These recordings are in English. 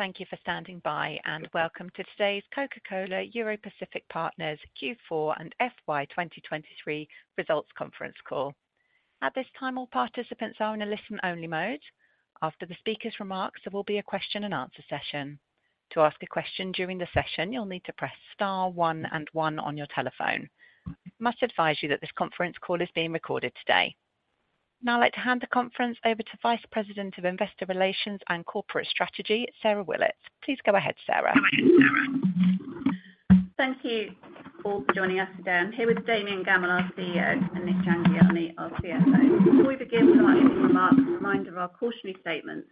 Thank you for standing by, and welcome to today's Coca-Cola Europacific Partners Q4 and FY 2023 results conference call. At this time, all participants are in a listen-only mode. After the speaker's remarks, there will be a question-and-answer session. To ask a question during the session, you'll need to press star one and one on your telephone. I must advise you that this conference call is being recorded today. Now I'd like to hand the conference over to Vice President of Investor Relations and Corporate Strategy, Sarah Willett. Please go ahead, Sarah. Thank you all for joining us today. I'm here with Damian Gammell, our CEO, and Nik Jhangiani, our CFO. Before we begin, we'll like to make a reminder that our cautionary statements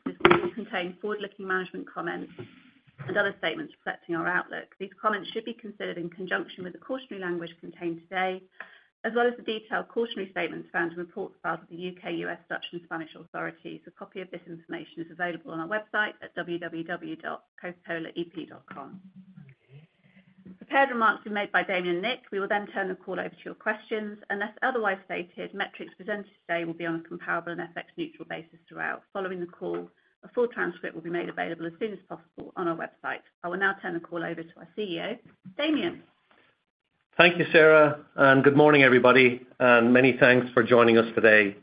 contain forward-looking management comments and other statements reflecting our outlook. These comments should be considered in conjunction with the cautionary language contained today, as well as the detailed cautionary statements found in reports filed with the U.K., U.S., Dutch, and Spanish authorities. A copy of this information is available on our website at www.cocacolaep.com. Prepared remarks have been made by Damian and Nik. We will then turn the call over to your questions. Unless otherwise stated, metrics presented today will be on a comparable and FX-neutral basis throughout. Following the call, a full transcript will be made available as soon as possible on our website. I will now turn the call over to our CEO, Damian. Thank you, Sarah, and good morning, everybody. Many thanks for joining us today.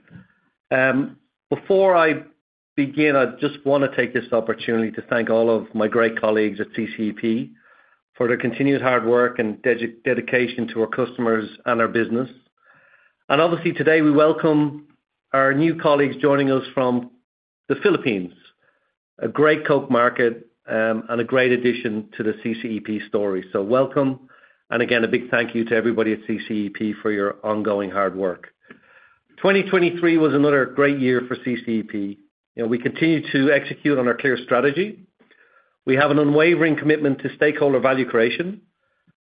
Before I begin, I just want to take this opportunity to thank all of my great colleagues at CCEP for their continued hard work and dedication to our customers and our business. Obviously, today we welcome our new colleagues joining us from the Philippines, a great Coke market and a great addition to the CCEP story. So welcome, and again, a big thank you to everybody at CCEP for your ongoing hard work. 2023 was another great year for CCEP. We continue to execute on our clear strategy. We have an unwavering commitment to stakeholder value creation.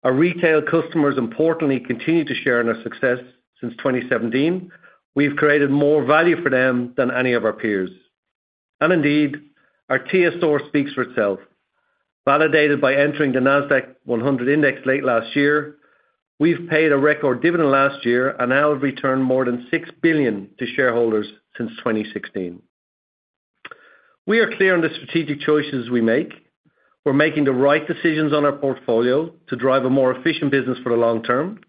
Our retail customers, importantly, continue to share in our success since 2017. We've created more value for them than any of our peers. Indeed, our TSR speaks for itself. Validated by entering the NASDAQ 100 index late last year, we've paid a record dividend last year and now have returned more than 6 billion to shareholders since 2016. We are clear on the strategic choices we make. We're making the right decisions on our portfolio to drive a more efficient business for the long term.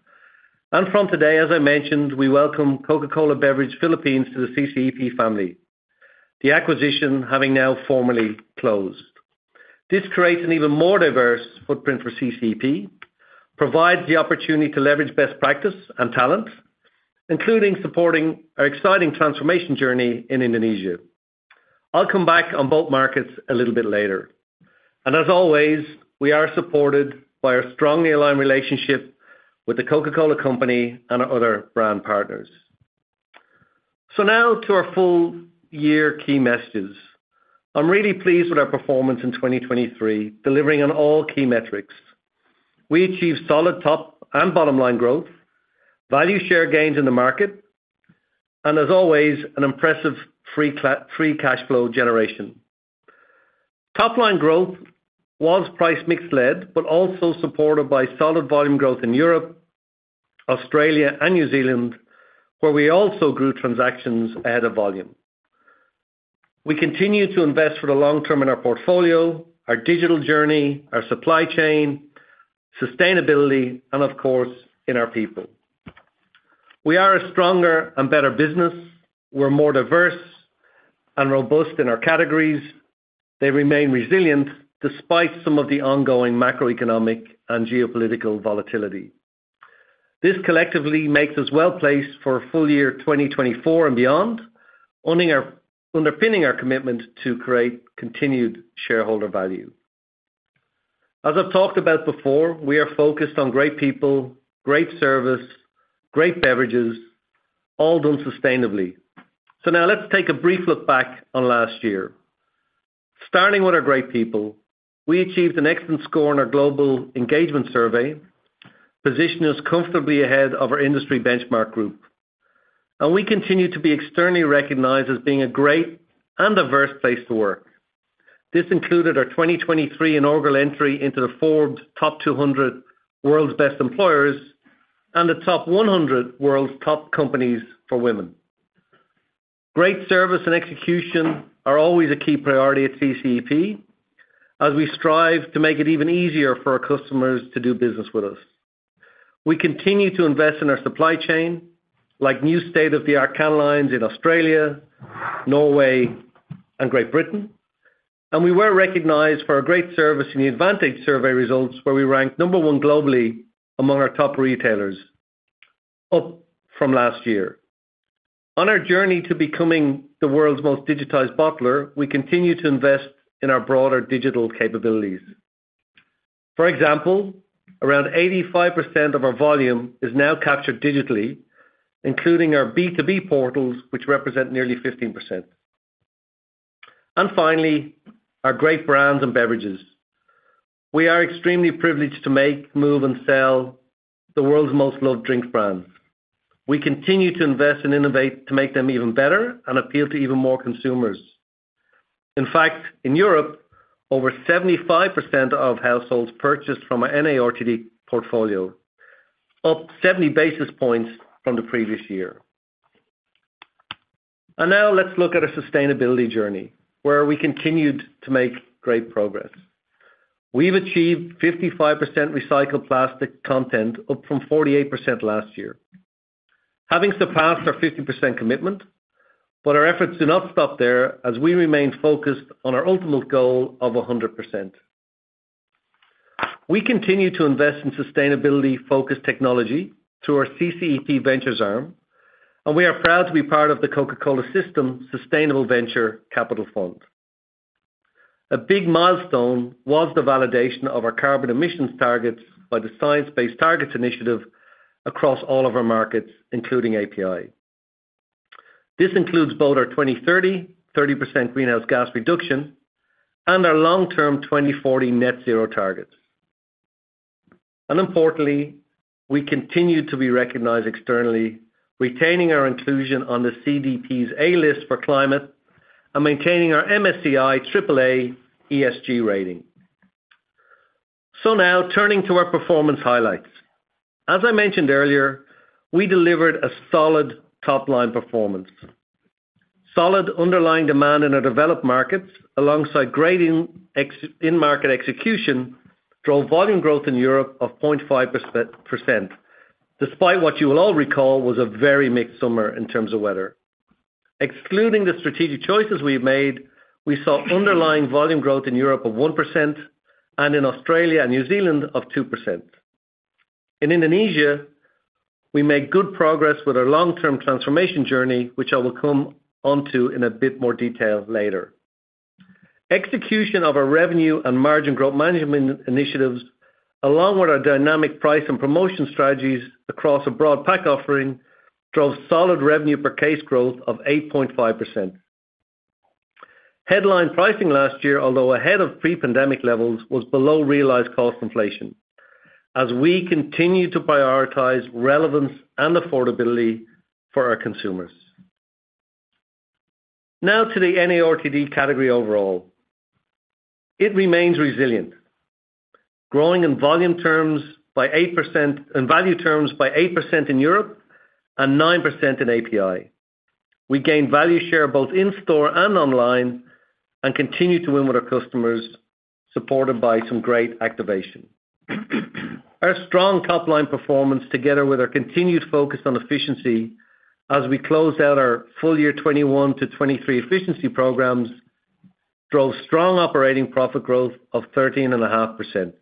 From today, as I mentioned, we welcome Coca-Cola Beverages Philippines to the CCEP family, the acquisition having now formally closed. This creates an even more diverse footprint for CCEP, provides the opportunity to leverage best practice and talent, including supporting our exciting transformation journey in Indonesia. I'll come back on both markets a little bit later. As always, we are supported by our strongly aligned relationship with the Coca-Cola Company and our other brand partners. Now to our full-year key messages. I'm really pleased with our performance in 2023, delivering on all key metrics. We achieved solid top and bottom-line growth, value share gains in the market, and as always, an impressive free cash flow generation. Top-line growth was price-mix-led but also supported by solid volume growth in Europe, Australia, and New Zealand, where we also grew transactions ahead of volume. We continue to invest for the long term in our portfolio, our digital journey, our supply chain, sustainability, and of course, in our people. We are a stronger and better business. We're more diverse and robust in our categories. They remain resilient despite some of the ongoing macroeconomic and geopolitical volatility. This collectively makes us well placed for a full year 2024 and beyond, underpinning our commitment to create continued shareholder value. As I've talked about before, we are focused on great people, great service, great beverages, all done sustainably. So now let's take a brief look back on last year. Starting with our great people, we achieved an excellent score in our global engagement survey, positioned us comfortably ahead of our industry benchmark group. We continue to be externally recognized as being a great and diverse place to work. This included our 2023 inaugural entry into the Forbes Top 200 World's Best Employers and the Top 100 World's Top Companies for Women. Great service and execution are always a key priority at CCEP, as we strive to make it even easier for our customers to do business with us. We continue to invest in our supply chain, like new state-of-the-art can lines in Australia, Norway, and Great Britain. We were recognized for our great service in the Advantage survey results, where we ranked number 1 globally among our top retailers, up from last year. On our journey to becoming the world's most digitized bottler, we continue to invest in our broader digital capabilities. For example, around 85% of our volume is now captured digitally, including our B2B portals, which represent nearly 15%. Finally, our great brands and beverages. We are extremely privileged to make, move, and sell the world's most loved drink brands. We continue to invest and innovate to make them even better and appeal to even more consumers. In fact, in Europe, over 75% of households purchased from our NARTD portfolio, up 70 basis points from the previous year. Now let's look at our sustainability journey, where we continued to make great progress. We've achieved 55% recycled plastic content, up from 48% last year, having surpassed our 50% commitment. But our efforts do not stop there, as we remain focused on our ultimate goal of 100%. We continue to invest in sustainability-focused technology through our CCEP ventures arm, and we are proud to be part of the Coca-Cola System Sustainable Venture Capital Fund. A big milestone was the validation of our carbon emissions targets by the Science Based Targets initiative across all of our markets, including API. This includes both our 2030 30% greenhouse gas reduction and our long-term 2040 net-zero targets. And importantly, we continue to be recognized externally, retaining our inclusion on the CDP's A-list for climate and maintaining our MSCI AAA ESG rating. So now turning to our performance highlights. As I mentioned earlier, we delivered a solid top-line performance. Solid underlying demand in our developed markets, alongside great in-market execution, drove volume growth in Europe of 0.5%, despite what you will all recall was a very mixed summer in terms of weather. Excluding the strategic choices we've made, we saw underlying volume growth in Europe of 1% and in Australia and New Zealand of 2%. In Indonesia, we made good progress with our long-term transformation journey, which I will come onto in a bit more detail later. Execution of our revenue and margin growth management initiatives, along with our dynamic price and promotion strategies across a broad pack offering, drove solid revenue per case growth of 8.5%. Headline pricing last year, although ahead of pre-pandemic levels, was below realized cost inflation, as we continue to prioritize relevance and affordability for our consumers. Now to the NARTD category overall. It remains resilient, growing in volume terms by 8% and value terms by 8% in Europe and 9% in API. We gained value share both in-store and online and continue to win with our customers, supported by some great activation. Our strong top-line performance, together with our continued focus on efficiency as we closed out our full year 2021-2023 efficiency programs, drove strong operating profit growth of 13.5%.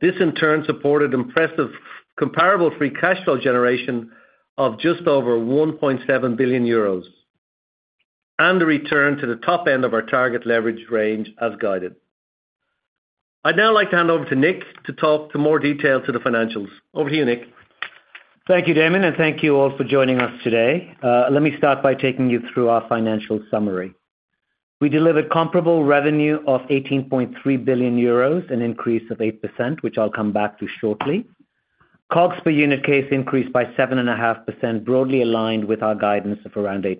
This, in turn, supported impressive comparable free cash flow generation of just over 1.7 billion euros and a return to the top end of our target leverage range as guided. I'd now like to hand over to Nik to talk to more detail to the financials. Over to you, Nik. Thank you, Damian, and thank you all for joining us today. Let me start by taking you through our financial summary. We delivered comparable revenue of 18.3 billion euros, an increase of 8%, which I'll come back to shortly. COGS per unit case increased by 7.5%, broadly aligned with our guidance of around 8%.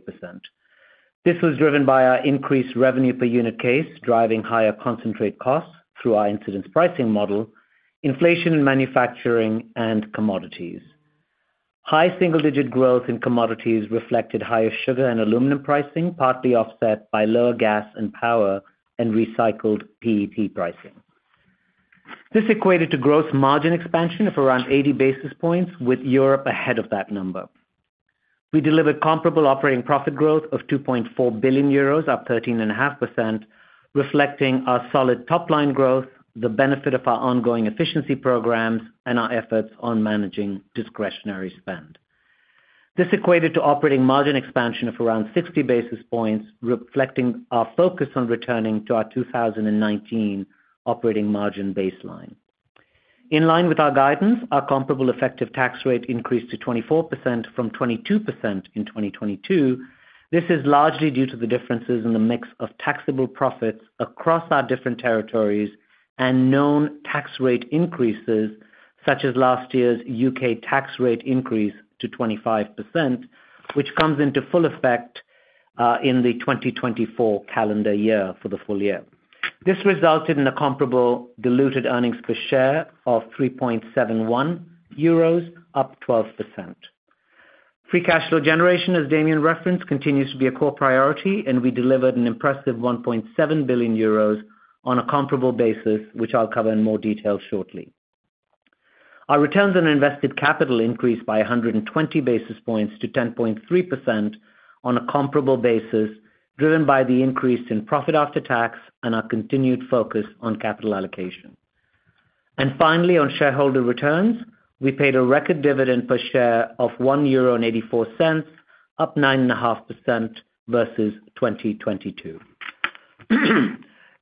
This was driven by our increased revenue per unit case, driving higher concentrate costs through our incidence pricing model, inflation in manufacturing, and commodities. High single-digit growth in commodities reflected higher sugar and aluminum pricing, partly offset by lower gas and power and recycled PET pricing. This equated to gross margin expansion of around 80 basis points, with Europe ahead of that number. We delivered comparable operating profit growth of 2.4 billion euros, up 13.5%, reflecting our solid top-line growth, the benefit of our ongoing efficiency programs, and our efforts on managing discretionary spend. This equated to operating margin expansion of around 60 basis points, reflecting our focus on returning to our 2019 operating margin baseline. In line with our guidance, our comparable effective tax rate increased to 24% from 22% in 2022. This is largely due to the differences in the mix of taxable profits across our different territories and known tax rate increases, such as last year's UK tax rate increase to 25%, which comes into full effect in the 2024 calendar year for the full year. This resulted in a comparable diluted earnings per share of 3.71 euros, up 12%. Free cash flow generation, as Damian referenced, continues to be a core priority, and we delivered an impressive 1.7 billion euros on a comparable basis, which I'll cover in more detail shortly. Our returns on invested capital increased by 120 basis points to 10.3% on a comparable basis, driven by the increase in profit after tax and our continued focus on capital allocation. And finally, on shareholder returns, we paid a record dividend per share of 1.84 euro, up 9.5% versus 2022.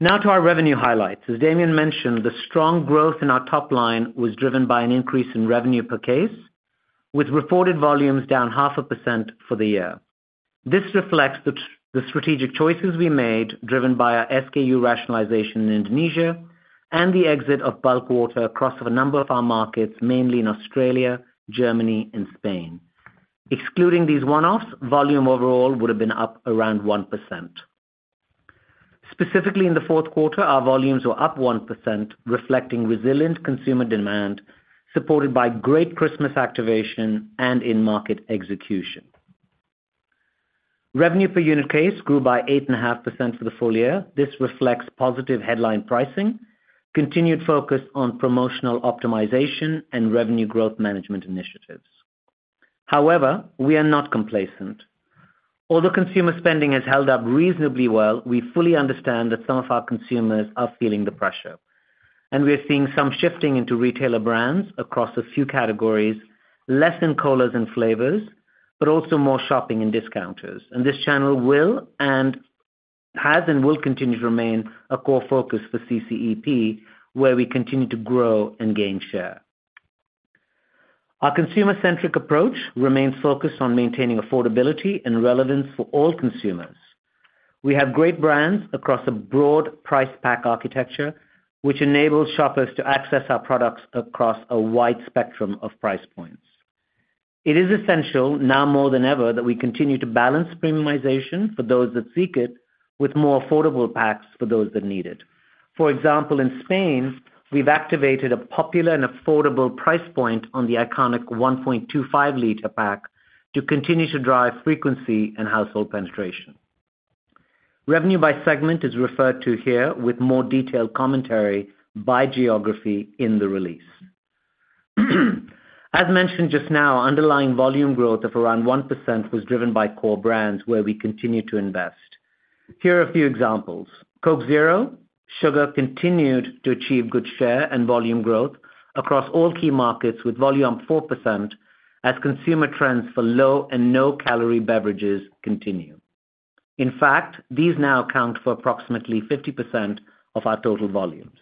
Now to our revenue highlights. As Damian mentioned, the strong growth in our top-line was driven by an increase in revenue per case, with reported volumes down 0.5% for the year. This reflects the strategic choices we made, driven by our SKU rationalization in Indonesia and the exit of bulk water across a number of our markets, mainly in Australia, Germany, and Spain. Excluding these one-offs, volume overall would have been up around 1%. Specifically, in the fourth quarter, our volumes were up 1%, reflecting resilient consumer demand, supported by great Christmas activation and in-market execution. Revenue per unit case grew by 8.5% for the full year. This reflects positive headline pricing, continued focus on promotional optimization, and revenue growth management initiatives. However, we are not complacent. Although consumer spending has held up reasonably well, we fully understand that some of our consumers are feeling the pressure. We are seeing some shifting into retailer brands across a few categories, less in colas and flavors, but also more shopping in discounters. This channel will and has and will continue to remain a core focus for CCEP, where we continue to grow and gain share. Our consumer-centric approach remains focused on maintaining affordability and relevance for all consumers. We have great brands across a broad price pack architecture, which enables shoppers to access our products across a wide spectrum of price points. It is essential now more than ever that we continue to balance premiumization for those that seek it with more affordable packs for those that need it. For example, in Spain, we've activated a popular and affordable price point on the iconic 1.25-liter pack to continue to drive frequency and household penetration. Revenue by segment is referred to here with more detailed commentary by geography in the release. As mentioned just now, underlying volume growth of around 1% was driven by core brands, where we continue to invest. Here are a few examples. Coke Zero Sugar continued to achieve good share and volume growth across all key markets, with volume up 4% as consumer trends for low and no-calorie beverages continue. In fact, these now account for approximately 50% of our total volumes.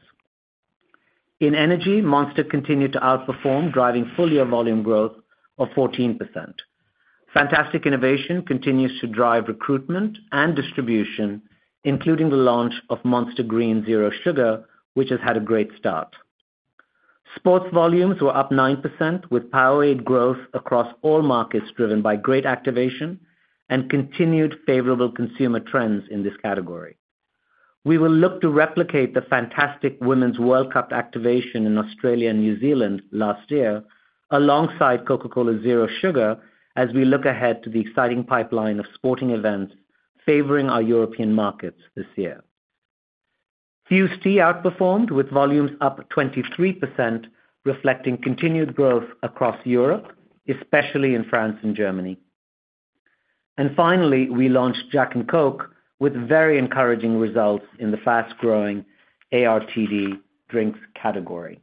In energy, Monster continued to outperform, driving full-year volume growth of 14%. Fantastic innovation continues to drive recruitment and distribution, including the launch of Monster Green Zero Sugar, which has had a great start. Sports volumes were up 9%, with Powerade growth across all markets driven by great activation and continued favorable consumer trends in this category. We will look to replicate the Fantastic Women's World Cup activation in Australia and New Zealand last year, alongside Coca-Cola Zero Sugar, as we look ahead to the exciting pipeline of sporting events favoring our European markets this year. Fuze Tea outperformed, with volumes up 23%, reflecting continued growth across Europe, especially in France and Germany. And finally, we launched Jack and Coke with very encouraging results in the fast-growing ARTD drinks category.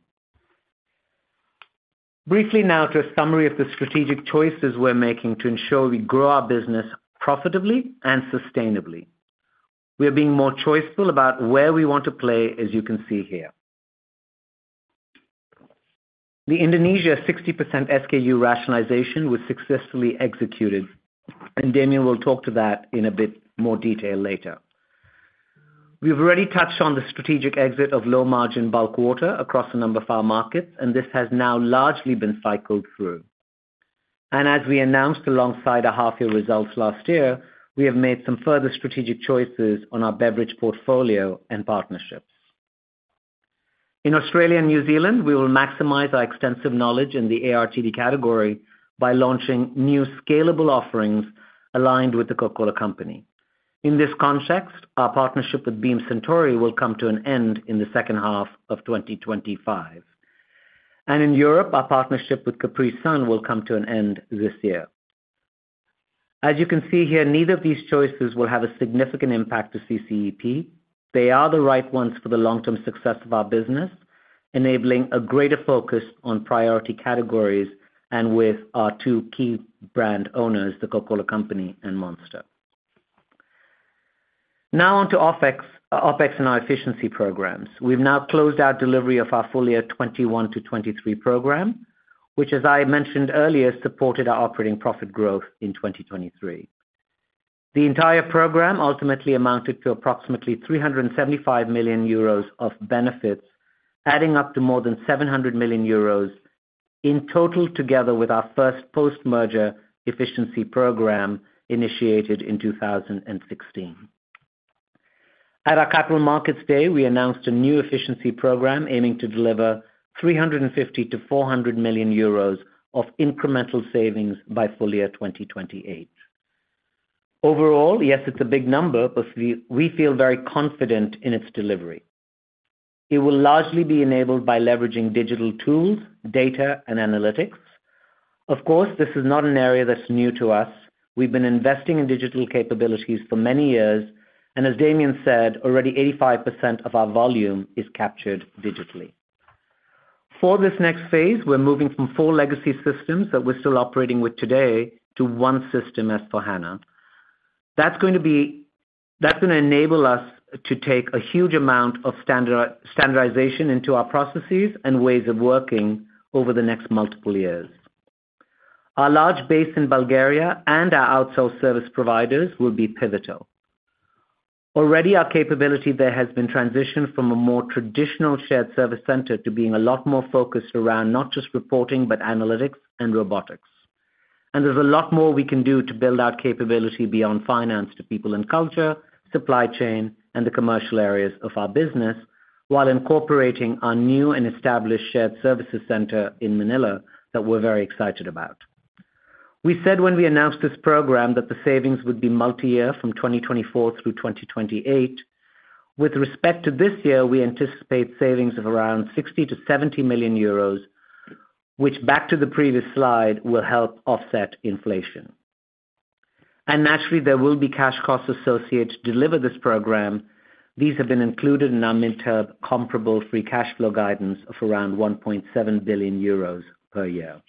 Briefly now to a summary of the strategic choices we're making to ensure we grow our business profitably and sustainably. We are being more choiceful about where we want to play, as you can see here. The Indonesia 60% SKU rationalization was successfully executed, and Damian will talk to that in a bit more detail later. We've already touched on the strategic exit of low-margin bulk water across a number of our markets, and this has now largely been cycled through. And as we announced alongside our half-year results last year, we have made some further strategic choices on our beverage portfolio and partnerships. In Australia and New Zealand, we will maximize our extensive knowledge in the ARTD category by launching new scalable offerings aligned with the Coca-Cola Company. In this context, our partnership with Beam Suntory will come to an end in the second half of 2025. And in Europe, our partnership with Capri-Sun will come to an end this year. As you can see here, neither of these choices will have a significant impact to CCEP. They are the right ones for the long-term success of our business, enabling a greater focus on priority categories and with our two key brand owners, the Coca-Cola Company and Monster. Now onto OpEx and our efficiency programs. We've now closed out delivery of our full-year 2021 to 2023 program, which, as I mentioned earlier, supported our operating profit growth in 2023. The entire program ultimately amounted to approximately 375 million euros of benefits, adding up to more than 700 million euros in total together with our first post-merger efficiency program initiated in 2016. At our Capital Markets Day, we announced a new efficiency program aiming to deliver 350 million-400 million euros of incremental savings by full-year 2028. Overall, yes, it's a big number, but we feel very confident in its delivery. It will largely be enabled by leveraging digital tools, data, and analytics. Of course, this is not an area that's new to us. We've been investing in digital capabilities for many years, and as Damian said, already 85% of our volume is captured digitally. For this next phase, we're moving from four legacy systems that we're still operating with today to one system, SAP S/4HANA. That's going to enable us to take a huge amount of standardization into our processes and ways of working over the next multiple years. Our large base in Bulgaria and our outsourced service providers will be pivotal. Already, our capability there has been transitioned from a more traditional shared service center to being a lot more focused around not just reporting but analytics and robotics. There's a lot more we can do to build out capability beyond finance to people and culture, supply chain, and the commercial areas of our business while incorporating our new and established shared services center in Manila that we're very excited about. We said when we announced this program that the savings would be multi-year from 2024 through 2028. With respect to this year, we anticipate savings of around 60-70 million euros, which, back to the previous slide, will help offset inflation. Naturally, there will be cash costs associated to deliver this program. These have been included in our mid-term comparable free cash flow guidance of around 1.7 billion euros per year.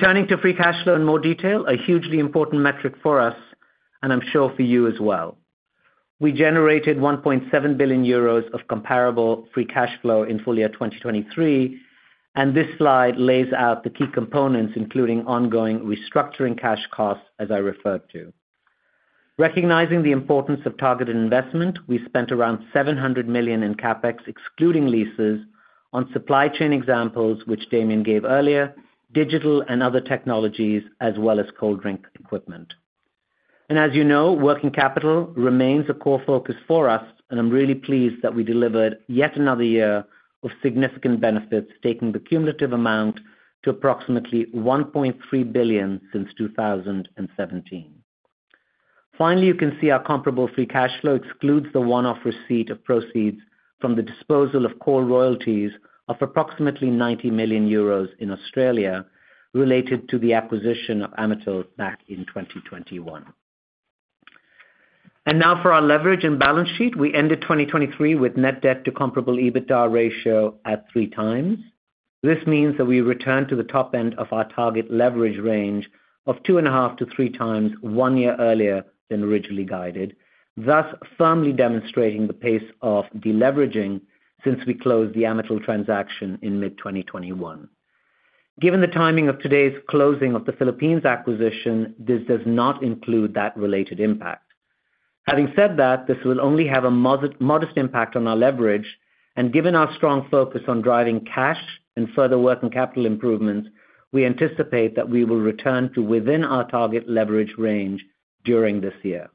Turning to free cash flow in more detail, a hugely important metric for us, and I'm sure for you as well. We generated 1.7 billion euros of comparable free cash flow in full-year 2023, and this slide lays out the key components, including ongoing restructuring cash costs, as I referred to. Recognizing the importance of targeted investment, we spent around 700 million in CapEx, excluding leases, on supply chain examples, which Damian gave earlier, digital and other technologies, as well as cold drink equipment. As you know, working capital remains a core focus for us, and I'm really pleased that we delivered yet another year of significant benefits, taking the cumulative amount to approximately 1.3 billion since 2017. Finally, you can see our comparable free cash flow excludes the one-off receipt of proceeds from the disposal of coalroyalties of approximately 90 million euros in Australia related to the acquisition of Amatil back in 2021. Now for our leverage and balance sheet, we ended 2023 with net debt to comparable EBITDA ratio at 3x. This means that we returned to the top end of our target leverage range of 2.5-3x 1 year earlier than originally guided, thus firmly demonstrating the pace of deleveraging since we closed the Amatil transaction in mid-2021. Given the timing of today's closing of the Philippines acquisition, this does not include that related impact. Having said that, this will only have a modest impact on our leverage, and given our strong focus on driving cash and further working capital improvements, we anticipate that we will return to within our target leverage range during this year.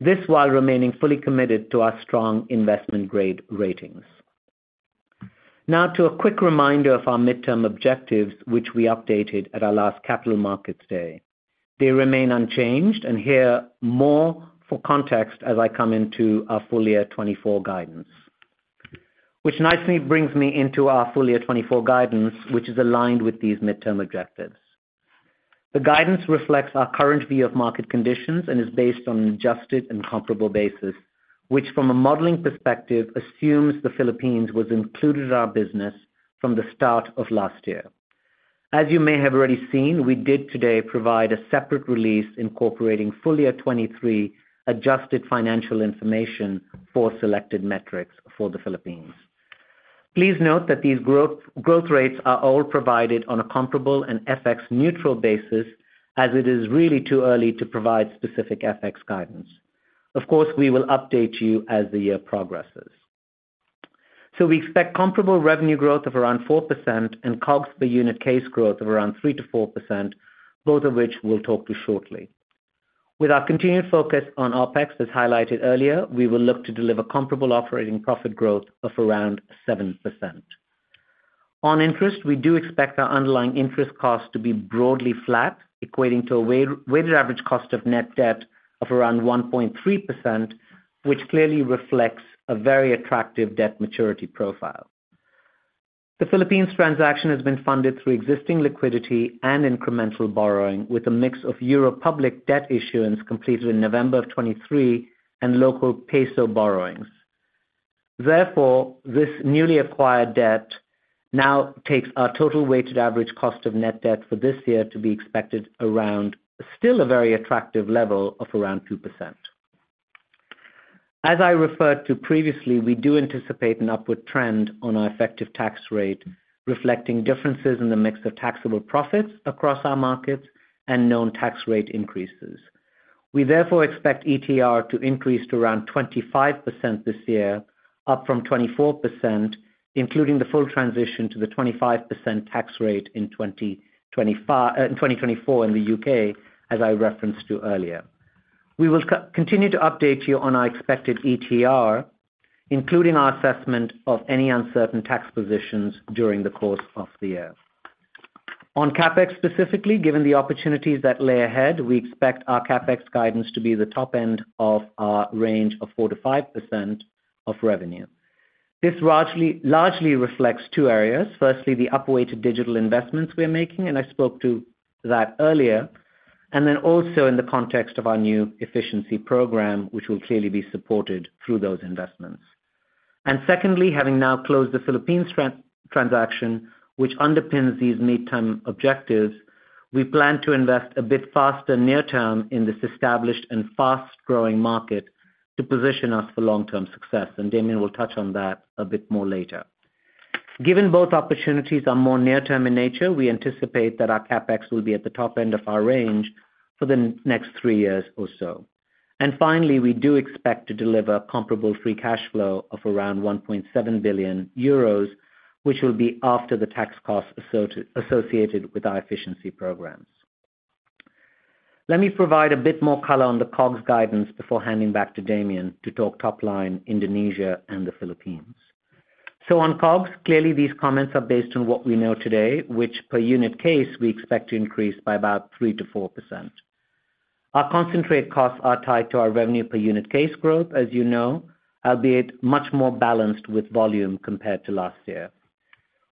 This while remaining fully committed to our strong investment-grade ratings. Now to a quick reminder of our midterm objectives, which we updated at our last Capital Markets Day. They remain unchanged, and here more for context as I come into our full-year 2024 guidance. Which nicely brings me into our full-year 2024 guidance, which is aligned with these midterm objectives. The guidance reflects our current view of market conditions and is based on an adjusted and comparable basis, which, from a modeling perspective, assumes the Philippines was included in our business from the start of last year. As you may have already seen, we did today provide a separate release incorporating full-year 2023 adjusted financial information for selected metrics for the Philippines. Please note that these growth rates are all provided on a comparable and FX-neutral basis, as it is really too early to provide specific FX guidance. Of course, we will update you as the year progresses. So we expect comparable revenue growth of around 4% and COGS per unit case growth of around 3%-4%, both of which we'll talk to shortly. With our continued focus on OpEx, as highlighted earlier, we will look to deliver comparable operating profit growth of around 7%. On interest, we do expect our underlying interest costs to be broadly flat, equating to a weighted average cost of net debt of around 1.3%, which clearly reflects a very attractive debt maturity profile. The Philippines transaction has been funded through existing liquidity and incremental borrowing, with a mix of euro public debt issuance completed in November 2023 and local peso borrowings. Therefore, this newly acquired debt now takes our total weighted average cost of net debt for this year to be expected around still a very attractive level of around 2%. As I referred to previously, we do anticipate an upward trend on our effective tax rate, reflecting differences in the mix of taxable profits across our markets and known tax rate increases. We therefore expect ETR to increase to around 25% this year, up from 24%, including the full transition to the 25% tax rate in 2024 in the UK, as I referred to earlier. We will continue to update you on our expected ETR, including our assessment of any uncertain tax positions during the course of the year. On CapEx specifically, given the opportunities that lay ahead, we expect our CapEx guidance to be the top end of our range of 4%-5% of revenue. This largely reflects two areas. Firstly, the upweighted digital investments we're making, and I spoke to that earlier, and then also in the context of our new efficiency program, which will clearly be supported through those investments. Secondly, having now closed the Philippines transaction, which underpins these midterm objectives, we plan to invest a bit faster near-term in this established and fast-growing market to position us for long-term success, and Damian will touch on that a bit more later. Given both opportunities are more near-term in nature, we anticipate that our CapEx will be at the top end of our range for the next three years or so. Finally, we do expect to deliver comparable free cash flow of around 1.7 billion euros, which will be after the tax costs associated with our efficiency programs. Let me provide a bit more color on the COGS guidance before handing back to Damian to talk top line Indonesia and the Philippines. So on COGS, clearly these comments are based on what we know today, which per unit case we expect to increase by about 3%-4%. Our concentrate costs are tied to our revenue per unit case growth, as you know, albeit much more balanced with volume compared to last year.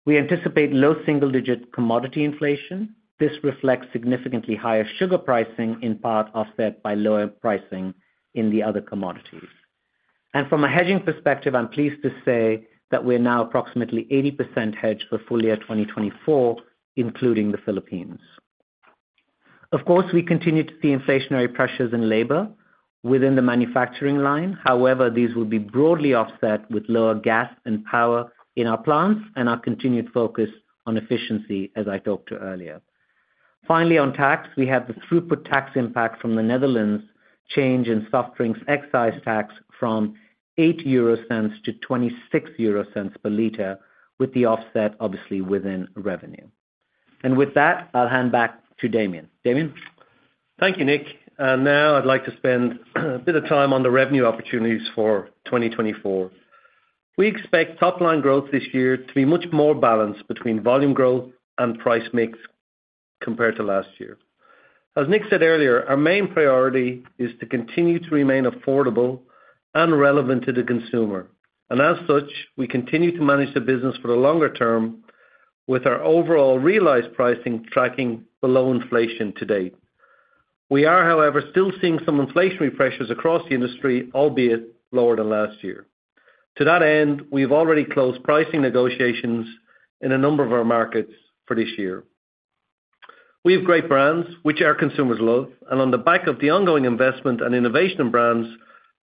We anticipate low single-digit commodity inflation. This reflects significantly higher sugar pricing, in part offset by lower pricing in the other commodities. And from a hedging perspective, I'm pleased to say that we're now approximately 80% hedged for full-year 2024, including the Philippines. Of course, we continue to see inflationary pressures in labor within the manufacturing line. However, these will be broadly offset with lower gas and power in our plants and our continued focus on efficiency, as I talked to earlier. Finally, on tax, we have the throughput tax impact from the Netherlands change in soft drinks excise tax from 0.08-0.26 euro per liter, with the offset, obviously, within revenue. With that, I'll hand back to Damian. Damian? Thank you, Nik. Now I'd like to spend a bit of time on the revenue opportunities for 2024. We expect top line growth this year to be much more balanced between volume growth and price mix compared to last year. As Nik said earlier, our main priority is to continue to remain affordable and relevant to the consumer. And as such, we continue to manage the business for the longer term with our overall realized pricing tracking below inflation to date. We are, however, still seeing some inflationary pressures across the industry, albeit lower than last year. To that end, we've already closed pricing negotiations in a number of our markets for this year. We have great brands, which our consumers love, and on the back of the ongoing investment and innovation in brands,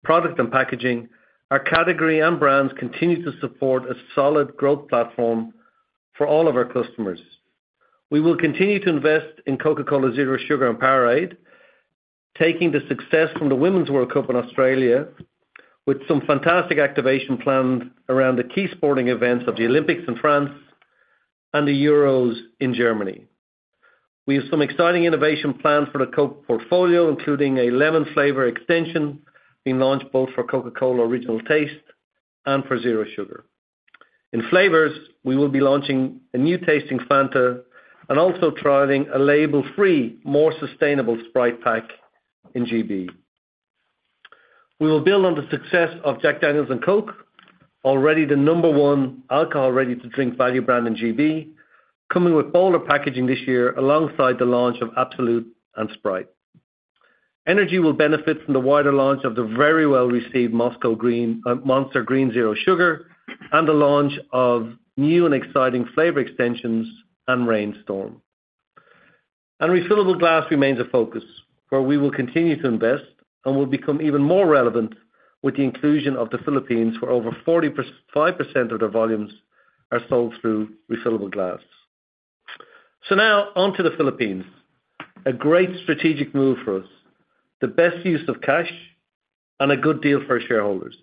product, and packaging, our category and brands continue to support a solid growth platform for all of our customers. We will continue to invest in Coca-Cola Zero Sugar and Powerade, taking the success from the Women's World Cup in Australia with some fantastic activation planned around the key sporting events of the Olympics in France and the Euros in Germany. We have some exciting innovation planned for the Coke portfolio, including a lemon flavor extension being launched both for Coca-Cola Original Taste and for Zero Sugar. In flavors, we will be launching a new tasting Fanta, and also trialing a label-free, more sustainable Sprite pack in GB. We will build on the success of Jack Daniel's and Coke, already the number one alcohol-ready-to-drink value brand in GB, coming with bolder packaging this year alongside the launch of Absolut and Sprite. Energy will benefit from the wider launch of the very well-received Monster Green, Monster Green Zero Sugar and the launch of new and exciting flavor extensions, and Reign Storm. Refillable glass remains a focus, where we will continue to invest and will become even more relevant with the inclusion of the Philippines, where over 45% of their volumes are sold through refillable glass. Now onto the Philippines. A great strategic move for us. The best use of cash and a good deal for our shareholders.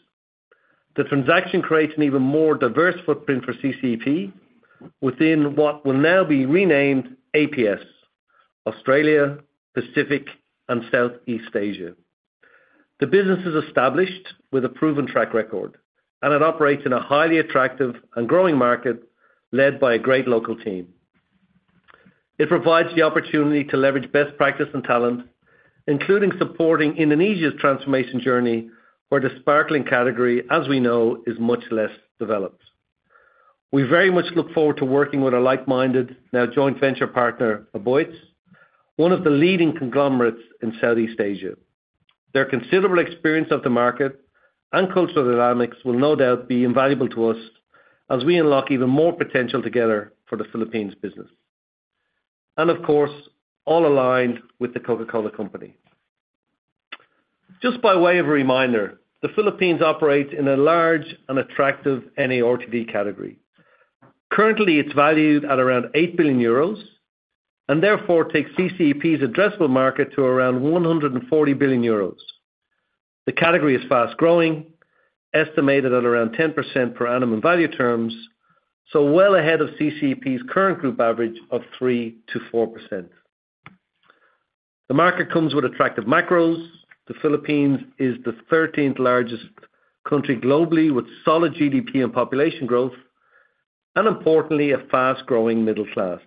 The transaction creates an even more diverse footprint for CCEP within what will now be renamed APS, Australia, Pacific, and Southeast Asia. The business is established with a proven track record, and it operates in a highly attractive and growing market led by a great local team. It provides the opportunity to leverage best practice and talent, including supporting Indonesia's transformation journey, where the sparkling category, as we know, is much less developed. We very much look forward to working with our like-minded, now joint venture partner, Aboitiz, one of the leading conglomerates in Southeast Asia. Their considerable experience of the market and cultural dynamics will no doubt be invaluable to us as we unlock even more potential together for the Philippines business. And of course, all aligned with the Coca-Cola Company. Just by way of a reminder, the Philippines operates in a large and attractive NARTD category. Currently, it's valued at around 8 billion euros and therefore takes CCEP's addressable market to around 140 billion euros. The category is fast-growing, estimated at around 10% per annum in value terms, so well ahead of CCEP's current group average of 3%-4%. The market comes with attractive macros. The Philippines is the 13th largest country globally with solid GDP and population growth, and importantly, a fast-growing middle class.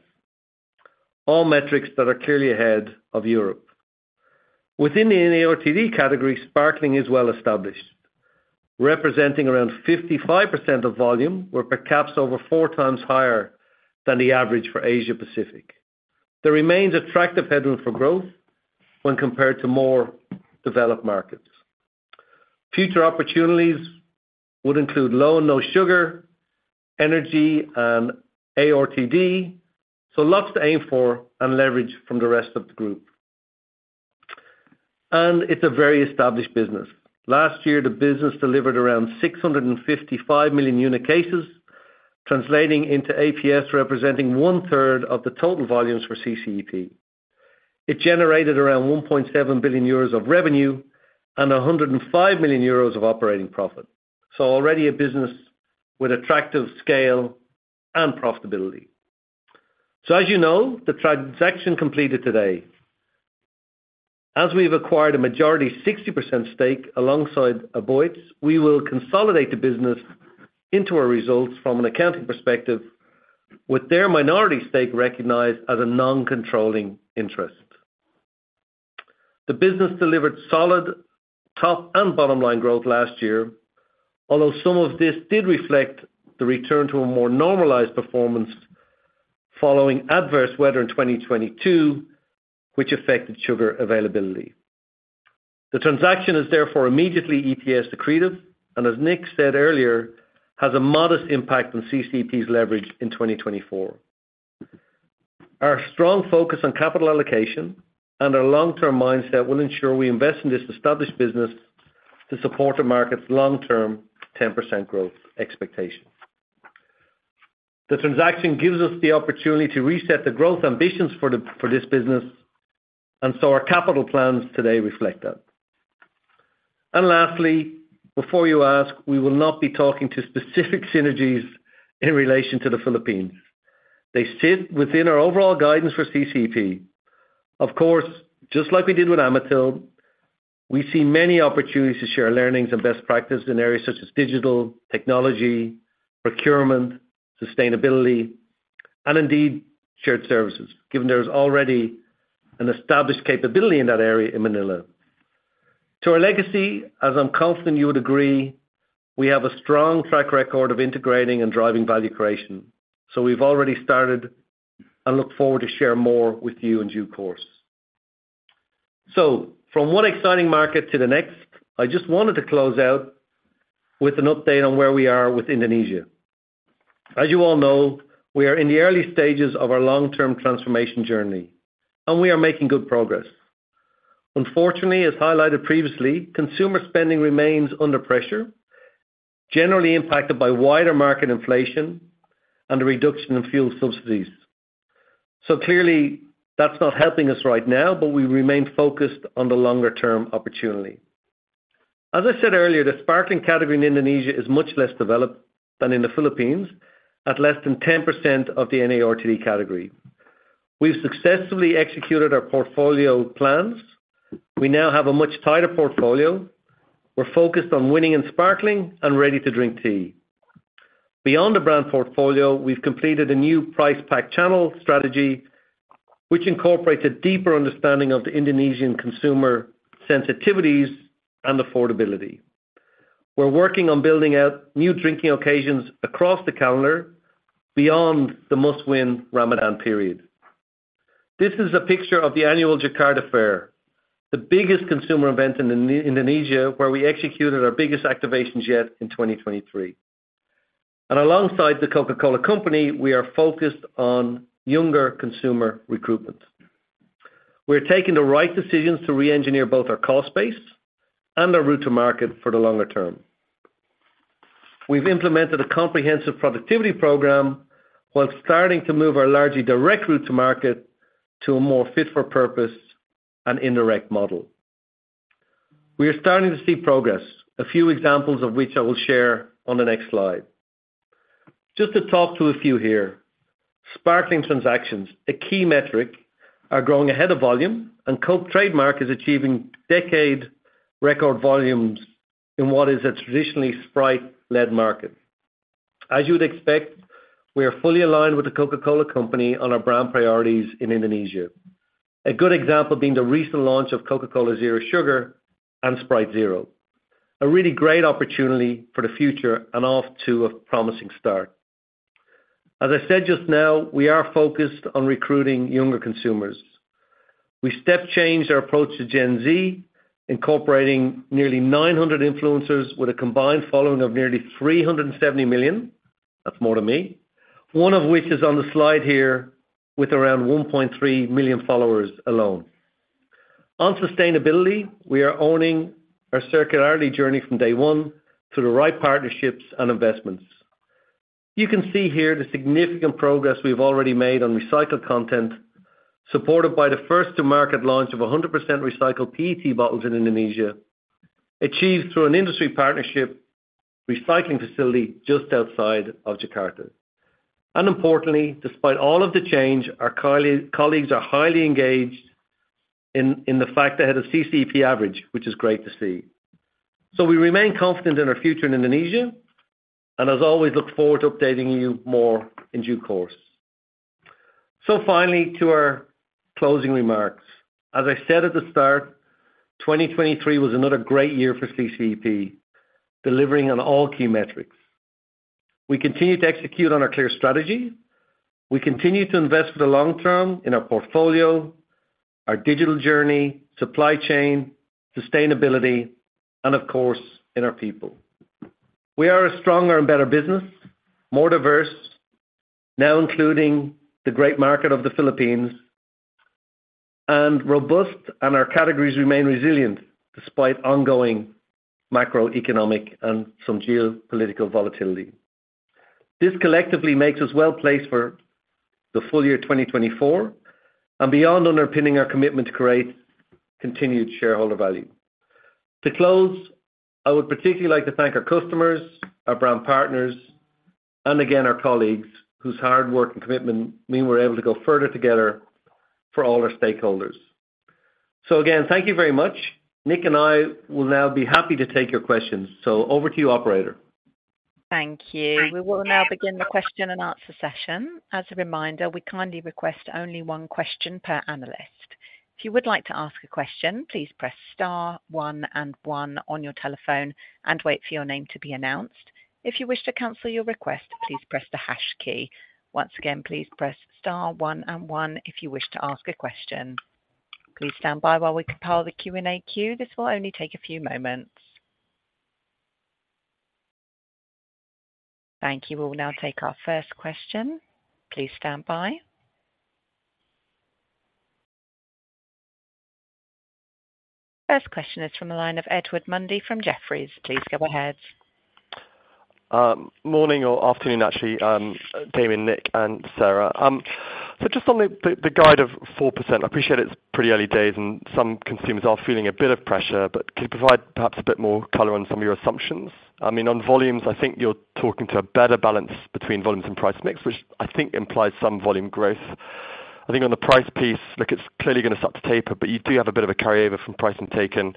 All metrics that are clearly ahead of Europe. Within the NARTD category, sparkling is well established, representing around 55% of volume, where per caps over four times higher than the average for Asia-Pacific. There remains attractive headroom for growth when compared to more developed markets. Future opportunities would include low and no sugar, energy, and ARTD, so lots to aim for and leverage from the rest of the group. And it's a very established business. Last year, the business delivered around 655 million unit cases, translating into APS representing one-third of the total volumes for CCEP. It generated around 1.7 billion euros of revenue and 105 million euros of operating profit. Already a business with attractive scale and profitability. As you know, the transaction completed today. As we've acquired a majority 60% stake alongside Aboitiz, we will consolidate the business into our results from an accounting perspective with their minority stake recognized as a non-controlling interest. The business delivered solid top and bottom line growth last year, although some of this did reflect the return to a more normalized performance following adverse weather in 2022, which affected sugar availability. The transaction is therefore immediately EPS accretive and, as Nik said earlier, has a modest impact on CCEP's leverage in 2024. Our strong focus on capital allocation and our long-term mindset will ensure we invest in this established business to support the market's long-term 10% growth expectation. The transaction gives us the opportunity to reset the growth ambitions for this business, and so our capital plans today reflect that. Lastly, before you ask, we will not be talking to specific synergies in relation to the Philippines. They sit within our overall guidance for CCEP. Of course, just like we did with Amatil, we see many opportunities to share learnings and best practices in areas such as digital, technology, procurement, sustainability, and indeed shared services, given there's already an established capability in that area in Manila. To our legacy, as I'm confident you would agree, we have a strong track record of integrating and driving value creation. So we've already started and look forward to sharing more with you in due course. So from one exciting market to the next, I just wanted to close out with an update on where we are with Indonesia. As you all know, we are in the early stages of our long-term transformation journey, and we are making good progress. Unfortunately, as highlighted previously, consumer spending remains under pressure, generally impacted by wider market inflation and a reduction in fuel subsidies. So clearly, that's not helping us right now, but we remain focused on the longer-term opportunity. As I said earlier, the sparkling category in Indonesia is much less developed than in the Philippines, at less than 10% of the NARTD category. We've successfully executed our portfolio plans. We now have a much tighter portfolio. We're focused on winning in sparkling and ready-to-drink tea. Beyond the brand portfolio, we've completed a new price pack channel strategy, which incorporates a deeper understanding of the Indonesian consumer sensitivities and affordability. We're working on building out new drinking occasions across the calendar beyond the must-win Ramadan period. This is a picture of the annual Jakarta Fair, the biggest consumer event in Indonesia, where we executed our biggest activations yet in 2023. And alongside the Coca-Cola Company, we are focused on younger consumer recruitment. We're taking the right decisions to re-engineer both our cost base and our route to market for the longer term. We've implemented a comprehensive productivity program while starting to move our largely direct route to market to a more fit-for-purpose and indirect model. We are starting to see progress, a few examples of which I will share on the next slide. Just to talk to a few here. Sparkling transactions, a key metric, are growing ahead of volume, and Coke trademark is achieving decade-record volumes in what is a traditionally Sprite-led market. As you would expect, we are fully aligned with the Coca-Cola Company on our brand priorities in Indonesia, a good example being the recent launch of Coca-Cola Zero Sugar and Sprite Zero, a really great opportunity for the future and off to a promising start. As I said just now, we are focused on recruiting younger consumers. We step-changed our approach to Gen Z, incorporating nearly 900 influencers with a combined following of nearly 370 million—that's more to me—one of which is on the slide here with around 1.3 million followers alone. On sustainability, we are owning our circularity journey from day one through the right partnerships and investments. You can see here the significant progress we've already made on recycled content, supported by the first-to-market launch of 100% recycled PET bottles in Indonesia, achieved through an industry partnership recycling facility just outside of Jakarta. Importantly, despite all of the change, our colleagues are highly engaged in the fact they had a CCEP average, which is great to see. We remain confident in our future in Indonesia and, as always, look forward to updating you more in due course. Finally, to our closing remarks. As I said at the start, 2023 was another great year for CCEP, delivering on all key metrics. We continue to execute on our clear strategy. We continue to invest for the long term in our portfolio, our digital journey, supply chain, sustainability, and of course, in our people. We are a stronger and better business, more diverse, now including the great market of the Philippines, and robust, and our categories remain resilient despite ongoing macroeconomic and some geopolitical volatility. This collectively makes us well placed for the full year 2024 and beyond, underpinning our commitment to create continued shareholder value. To close, I would particularly like to thank our customers, our brand partners, and again, our colleagues, whose hard work and commitment mean we're able to go further together for all our stakeholders. So again, thank you very much. Nik and I will now be happy to take your questions. So over to you, operator. Thank you. We will now begin the question and answer session. As a reminder, we kindly request only one question per analyst. If you would like to ask a question, please press star, one, and one on your telephone and wait for your name to be announced. If you wish to cancel your request, please press the hash key. Once again, please press star, one, and one if you wish to ask a question. Please stand by while we compile the Q&A queue. This will only take a few moments. Thank you. We will now take our first question. Please stand by. First question is from the line of Edward Mundy from Jefferies. Please go ahead. Morning or afternoon, actually, Damian, Nik, and Sarah. So just on the guide of 4%, I appreciate it's pretty early days and some consumers are feeling a bit of pressure, but could you provide perhaps a bit more color on some of your assumptions? I mean, on volumes, I think you're talking to a better balance between volumes and price mix, which I think implies some volume growth. I think on the price piece, look, it's clearly going to start to taper, but you do have a bit of a carryover from price and taken,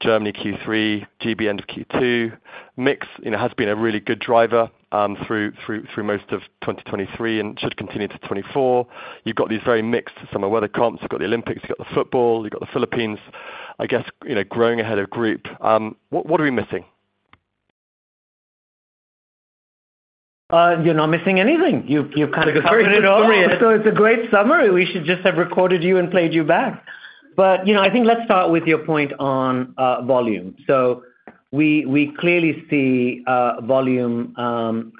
Germany Q3, GB end of Q2. Mix has been a really good driver through most of 2023 and should continue to 2024. You've got these very mixed summer weather comps. You've got the Olympics, you've got the football, you've got the Philippines, I guess, growing ahead of group. What are we missing? You're not missing anything. You've kind of covered it all for me. So it's a great summary. We should just have recorded you and played you back. But I think let's start with your point on volume. So we clearly see volume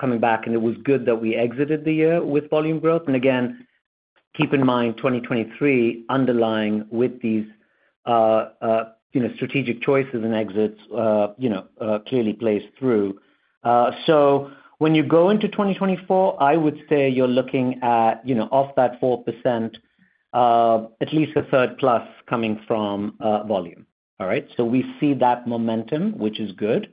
coming back, and it was good that we exited the year with volume growth. And again, keep in mind 2023 underlying with these strategic choices and exits clearly placed through. So when you go into 2024, I would say you're looking at, off that 4%, at least a third-plus coming from volume. All right. So we see that momentum, which is good.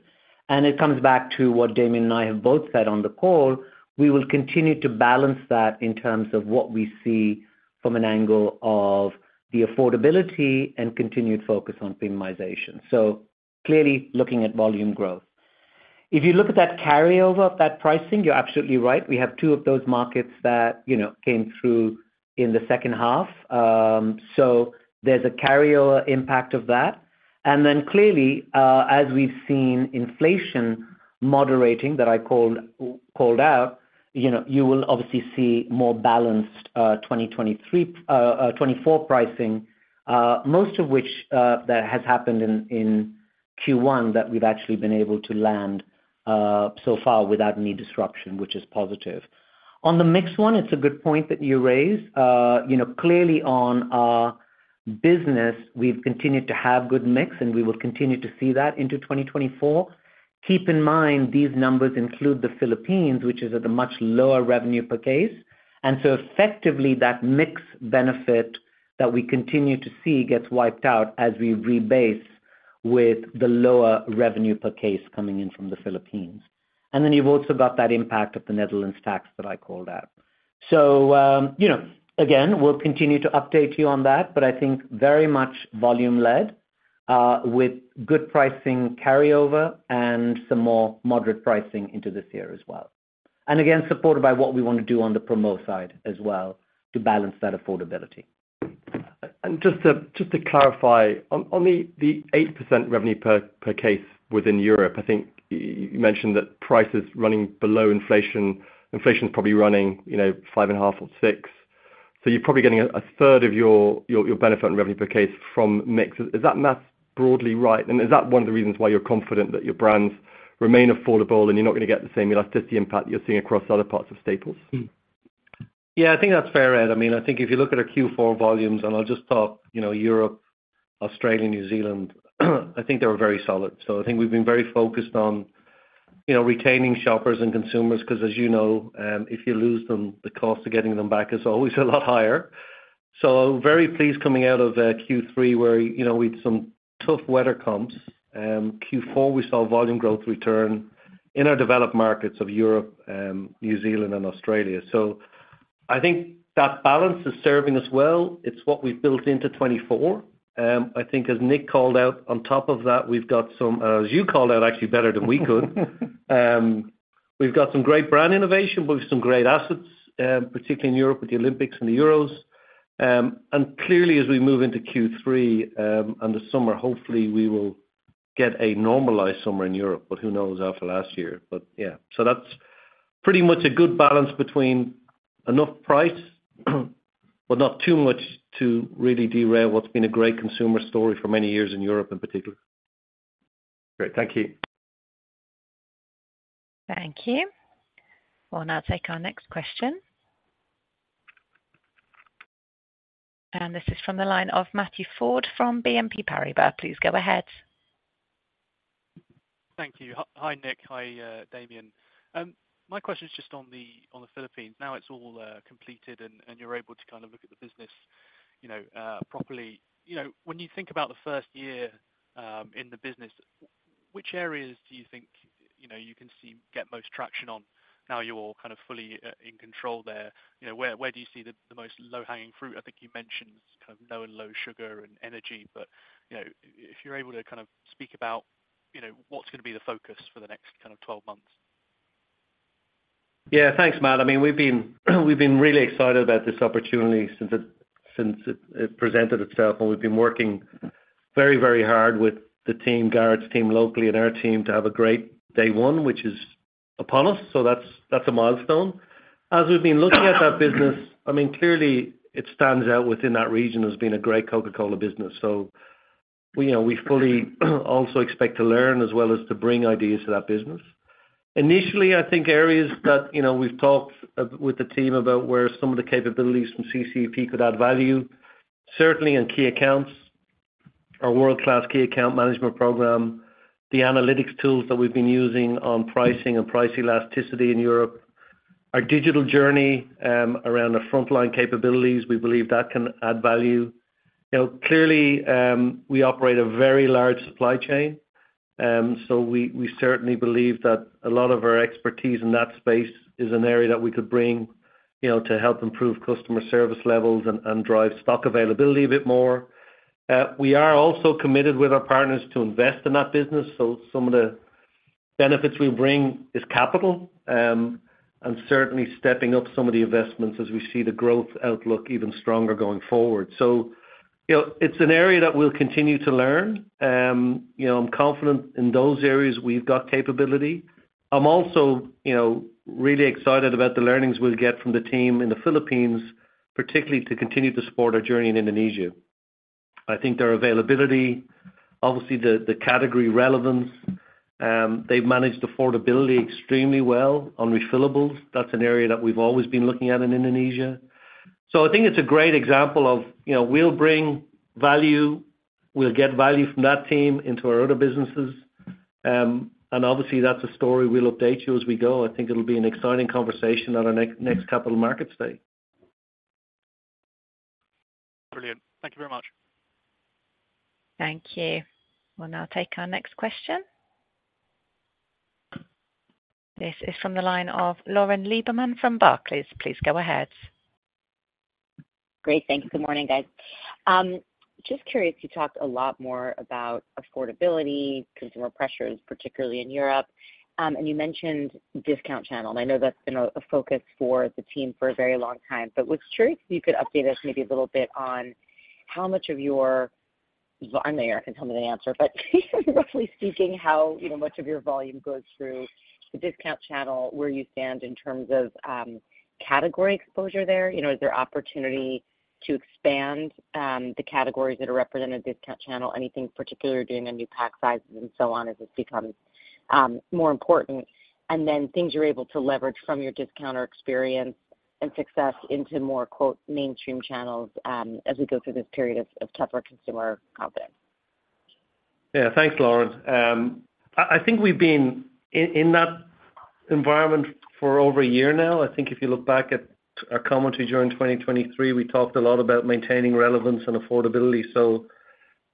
And it comes back to what Damian and I have both said on the call. We will continue to balance that in terms of what we see from an angle of the affordability and continued focus on minimization. So clearly looking at volume growth. If you look at that carryover of that pricing, you're absolutely right. We have 2 of those markets that came through in the second half. So there's a carryover impact of that. And then clearly, as we've seen inflation moderating that I called out, you will obviously see more balanced 2024 pricing, most of which has happened in Q1 that we've actually been able to land so far without any disruption, which is positive. On the mix one, it's a good point that you raised. Clearly, on our business, we've continued to have good mix, and we will continue to see that into 2024. Keep in mind these numbers include the Philippines, which is at a much lower revenue per case. And so effectively, that mix benefit that we continue to see gets wiped out as we rebase with the lower revenue per case coming in from the Philippines. And then you've also got that impact of the Netherlands tax that I called out. So again, we'll continue to update you on that, but I think very much volume-led with good pricing carryover and some more moderate pricing into this year as well. And again, supported by what we want to do on the promo side as well to balance that affordability. And just to clarify, on the 8% revenue per case within Europe, I think you mentioned that prices running below inflation, inflation's probably running 5.5% or 6%. So you're probably getting a third of your benefit and revenue per case from mix. Is that math broadly right? And is that one of the reasons why you're confident that your brands remain affordable and you're not going to get the same elasticity impact that you're seeing across other parts of staples? Yeah, I think that's fair, Ed. I mean, I think if you look at our Q4 volumes, and I'll just talk Europe, Australia, New Zealand, I think they were very solid. So I think we've been very focused on retaining shoppers and consumers because, as you know, if you lose them, the cost of getting them back is always a lot higher. So very pleased coming out of Q3 where we had some tough weather comps. Q4, we saw volume growth return in our developed markets of Europe, New Zealand, and Australia. So I think that balance is serving us well. It's what we've built into 2024. I think, as Nik called out, on top of that, we've got some as you called out, actually better than we could. We've got some great brand innovation, but we've some great assets, particularly in Europe with the Olympics and the Euros. And clearly, as we move into Q3 and the summer, hopefully, we will get a normalized summer in Europe, but who knows after last year. But yeah, so that's pretty much a good balance between enough price but not too much to really derail what's been a great consumer story for many years in Europe in particular. Great. Thank you. Thank you. We'll now take our next question. This is from the line of Matthew Ford from BNP Paribas. Please go ahead. Thank you. Hi, Nik. Hi, Damian. My question's just on the Philippines. Now it's all completed, and you're able to kind of look at the business properly. When you think about the first year in the business, which areas do you think you can see get most traction on now you're all kind of fully in control there? Where do you see the most low-hanging fruit? I think you mentioned kind of low and low sugar and energy, but if you're able to kind of speak about what's going to be the focus for the next kind of 12 months. Yeah, thanks, Matt. I mean, we've been really excited about this opportunity since it presented itself, and we've been working very, very hard with the team, Gareth's team locally and our team, to have a great day one, which is upon us. So that's a milestone. As we've been looking at that business, I mean, clearly, it stands out within that region as being a great Coca-Cola business. So we fully also expect to learn as well as to bring ideas to that business. Initially, I think areas that we've talked with the team about where some of the capabilities from CCEP could add value, certainly in key accounts, our world-class key account management program, the analytics tools that we've been using on pricing and price elasticity in Europe, our digital journey around our frontline capabilities, we believe that can add value. Clearly, we operate a very large supply chain, so we certainly believe that a lot of our expertise in that space is an area that we could bring to help improve customer service levels and drive stock availability a bit more. We are also committed with our partners to invest in that business. So some of the benefits we bring is capital and certainly stepping up some of the investments as we see the growth outlook even stronger going forward. So it's an area that we'll continue to learn. I'm confident in those areas. We've got capability. I'm also really excited about the learnings we'll get from the team in the Philippines, particularly to continue to support our journey in Indonesia. I think their availability, obviously, the category relevance. They've managed affordability extremely well on refillables. That's an area that we've always been looking at in Indonesia. I think it's a great example of we'll bring value. We'll get value from that team into our other businesses. And obviously, that's a story. We'll update you as we go. I think it'll be an exciting conversation at our next capital markets day. Brilliant. Thank you very much. Thank you. We'll now take our next question. This is from the line of Lauren Lieberman from Barclays. Please go ahead. Great. Thanks. Good morning, guys. Just curious, you talked a lot more about affordability, consumer pressures, particularly in Europe, and you mentioned discount channel. And I know that's been a focus for the team for a very long time, but was curious if you could update us maybe a little bit on how much of your, I know you're not going to tell me the answer, but roughly speaking, how much of your volume goes through the discount channel, where you stand in terms of category exposure there? Is there opportunity to expand the categories that are represented in discount channel? Anything particular during the new pack sizes and so on as this becomes more important? And then things you're able to leverage from your discounter experience and success into more "mainstream channels" as we go through this period of tougher consumer confidence. Yeah, thanks, Lauren. I think we've been in that environment for over a year now. I think if you look back at our commentary during 2023, we talked a lot about maintaining relevance and affordability. So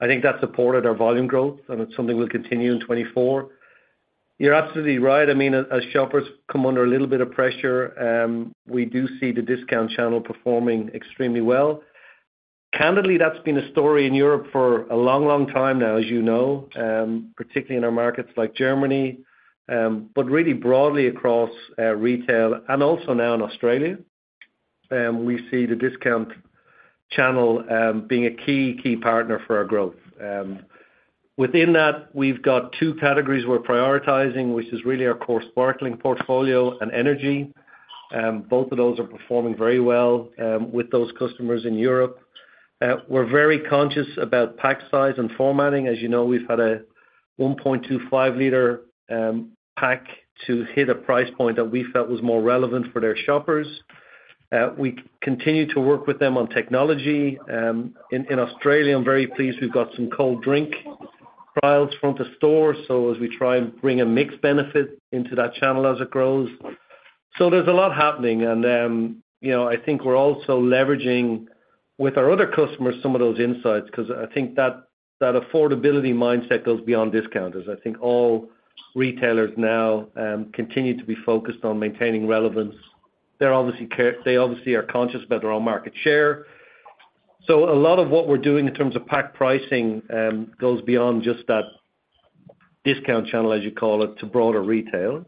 I think that supported our volume growth, and it's something we'll continue in 2024. You're absolutely right. I mean, as shoppers come under a little bit of pressure, we do see the discount channel performing extremely well. Candidly, that's been a story in Europe for a long, long time now, as you know, particularly in our markets like Germany, but really broadly across retail and also now in Australia. We see the discount channel being a key, key partner for our growth. Within that, we've got two categories we're prioritizing, which is really our core sparkling portfolio and energy. Both of those are performing very well with those customers in Europe. We're very conscious about pack size and formatting. As you know, we've had a 1.25-liter pack to hit a price point that we felt was more relevant for their shoppers. We continue to work with them on technology. In Australia, I'm very pleased we've got some cold drink trials front of store, so as we try and bring a mixed benefit into that channel as it grows. So there's a lot happening. And I think we're also leveraging with our other customers some of those insights because I think that affordability mindset goes beyond discounters. I think all retailers now continue to be focused on maintaining relevance. They obviously are conscious about their own market share. So a lot of what we're doing in terms of pack pricing goes beyond just that discount channel, as you call it, to broader retail.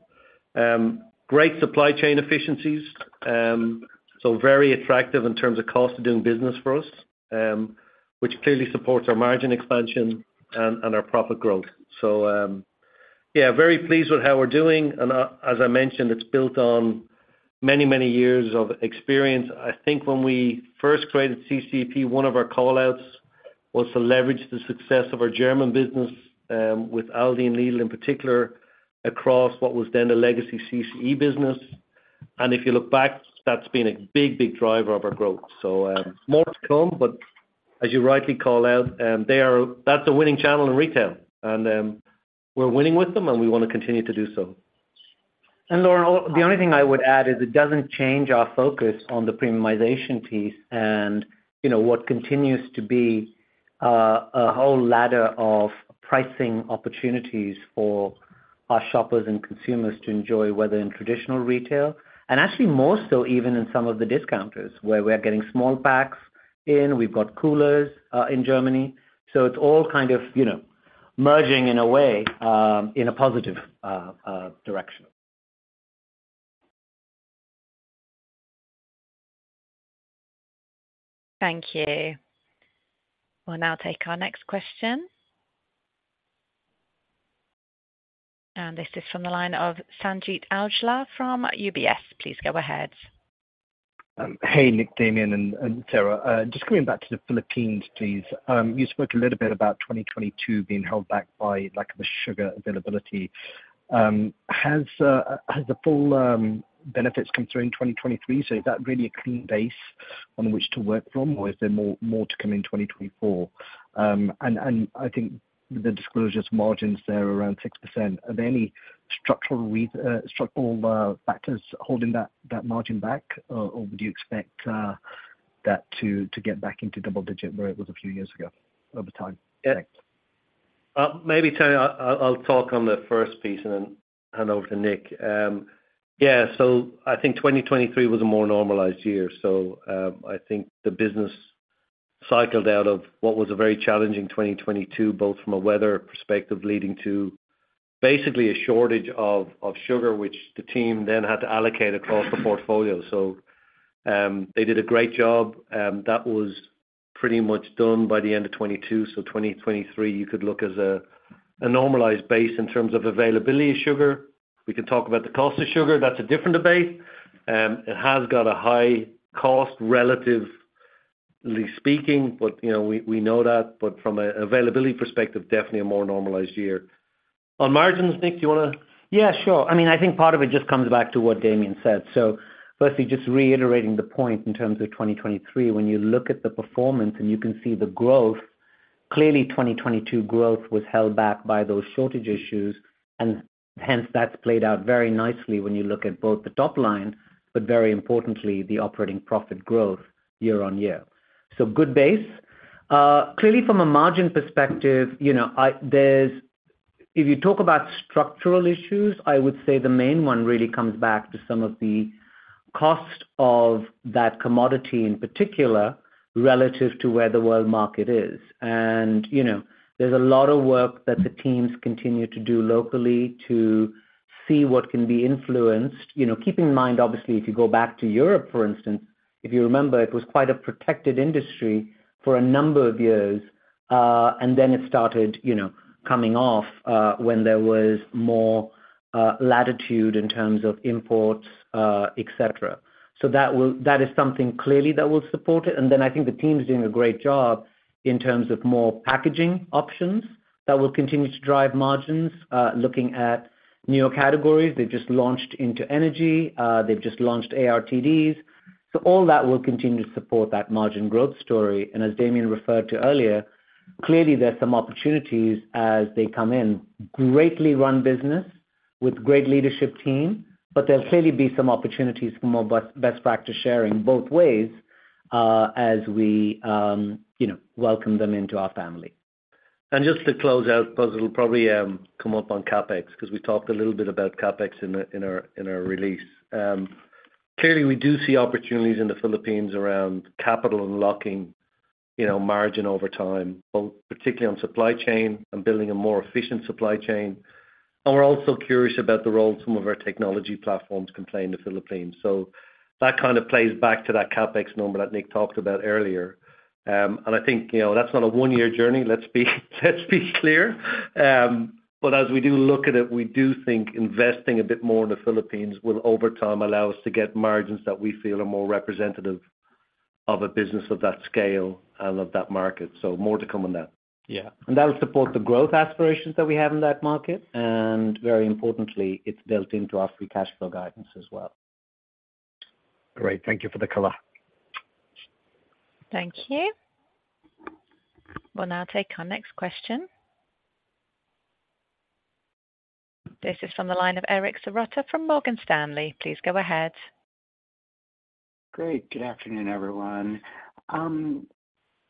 Great supply chain efficiencies, so very attractive in terms of cost of doing business for us, which clearly supports our margin expansion and our profit growth. So yeah, very pleased with how we're doing. And as I mentioned, it's built on many, many years of experience. I think when we first created CCEP, one of our callouts was to leverage the success of our German business with Aldi and Lidl in particular across what was then the legacy CCE business. And if you look back, that's been a big, big driver of our growth. So more to come, but as you rightly call out, that's a winning channel in retail. And we're winning with them, and we want to continue to do so. Lauren, the only thing I would add is it doesn't change our focus on the premiumization piece and what continues to be a whole ladder of pricing opportunities for our shoppers and consumers to enjoy, whether in traditional retail and actually more so even in some of the discounters where we're getting small packs in. We've got coolers in Germany. So it's all kind of merging in a way in a positive direction. Thank you. We'll now take our next question. This is from the line of Sanjeet Aujla from UBS. Please go ahead. Hey, Nik, Damian, and Sarah. Just coming back to the Philippines, please. You spoke a little bit about 2022 being held back by lack of a sugar availability. Has the full benefits come through in 2023? So is that really a clean base on which to work from, or is there more to come in 2024? And I think the disclosures margins there are around 6%. Are there any structural factors holding that margin back, or would you expect that to get back into double-digit where it was a few years ago over time? Thanks. Maybe, Tony, I'll talk on the first piece and then hand over to Nik. Yeah, so I think 2023 was a more normalized year. So I think the business cycled out of what was a very challenging 2022, both from a weather perspective leading to basically a shortage of sugar, which the team then had to allocate across the portfolio. So they did a great job. That was pretty much done by the end of 2022. So 2023, you could look as a normalized base in terms of availability of sugar. We can talk about the cost of sugar. That's a different debate. It has got a high cost, relatively speaking, but we know that. But from an availability perspective, definitely a more normalized year. On margins, Nik, do you want to? Yeah, sure. I mean, I think part of it just comes back to what Damian said. So firstly, just reiterating the point in terms of 2023, when you look at the performance and you can see the growth, clearly, 2022 growth was held back by those shortage issues. And hence, that's played out very nicely when you look at both the top line, but very importantly, the operating profit growth year-on-year. So good base. Clearly, from a margin perspective, if you talk about structural issues, I would say the main one really comes back to some of the cost of that commodity in particular relative to where the world market is. And there's a lot of work that the teams continue to do locally to see what can be influenced. Keeping in mind, obviously, if you go back to Europe, for instance, if you remember, it was quite a protected industry for a number of years, and then it started coming off when there was more latitude in terms of imports, etc. So that is something clearly that will support it. And then I think the team's doing a great job in terms of more packaging options that will continue to drive margins, looking at newer categories. They've just launched into energy. They've just launched ARTDs. So all that will continue to support that margin growth story. And as Damian referred to earlier, clearly, there's some opportunities as they come in, greatly run business with great leadership team, but there'll clearly be some opportunities for more best practice sharing both ways as we welcome them into our family. Just to close out, because it'll probably come up on CapEx because we talked a little bit about CapEx in our release, clearly, we do see opportunities in the Philippines around capital unlocking margin over time, particularly on supply chain and building a more efficient supply chain. We're also curious about the role some of our technology platforms can play in the Philippines. So that kind of plays back to that CapEx number that Nik talked about earlier. I think that's not a 1-year journey, let's be clear. But as we do look at it, we do think investing a bit more in the Philippines will, over time, allow us to get margins that we feel are more representative of a business of that scale and of that market. More to come on that. That'll support the growth aspirations that we have in that market. Very importantly, it's built into our free cash flow guidance as well. Great. Thank you for the color. Thank you. We'll now take our next question. This is from the line of Eric Serotta from Morgan Stanley. Please go ahead. Great. Good afternoon, everyone.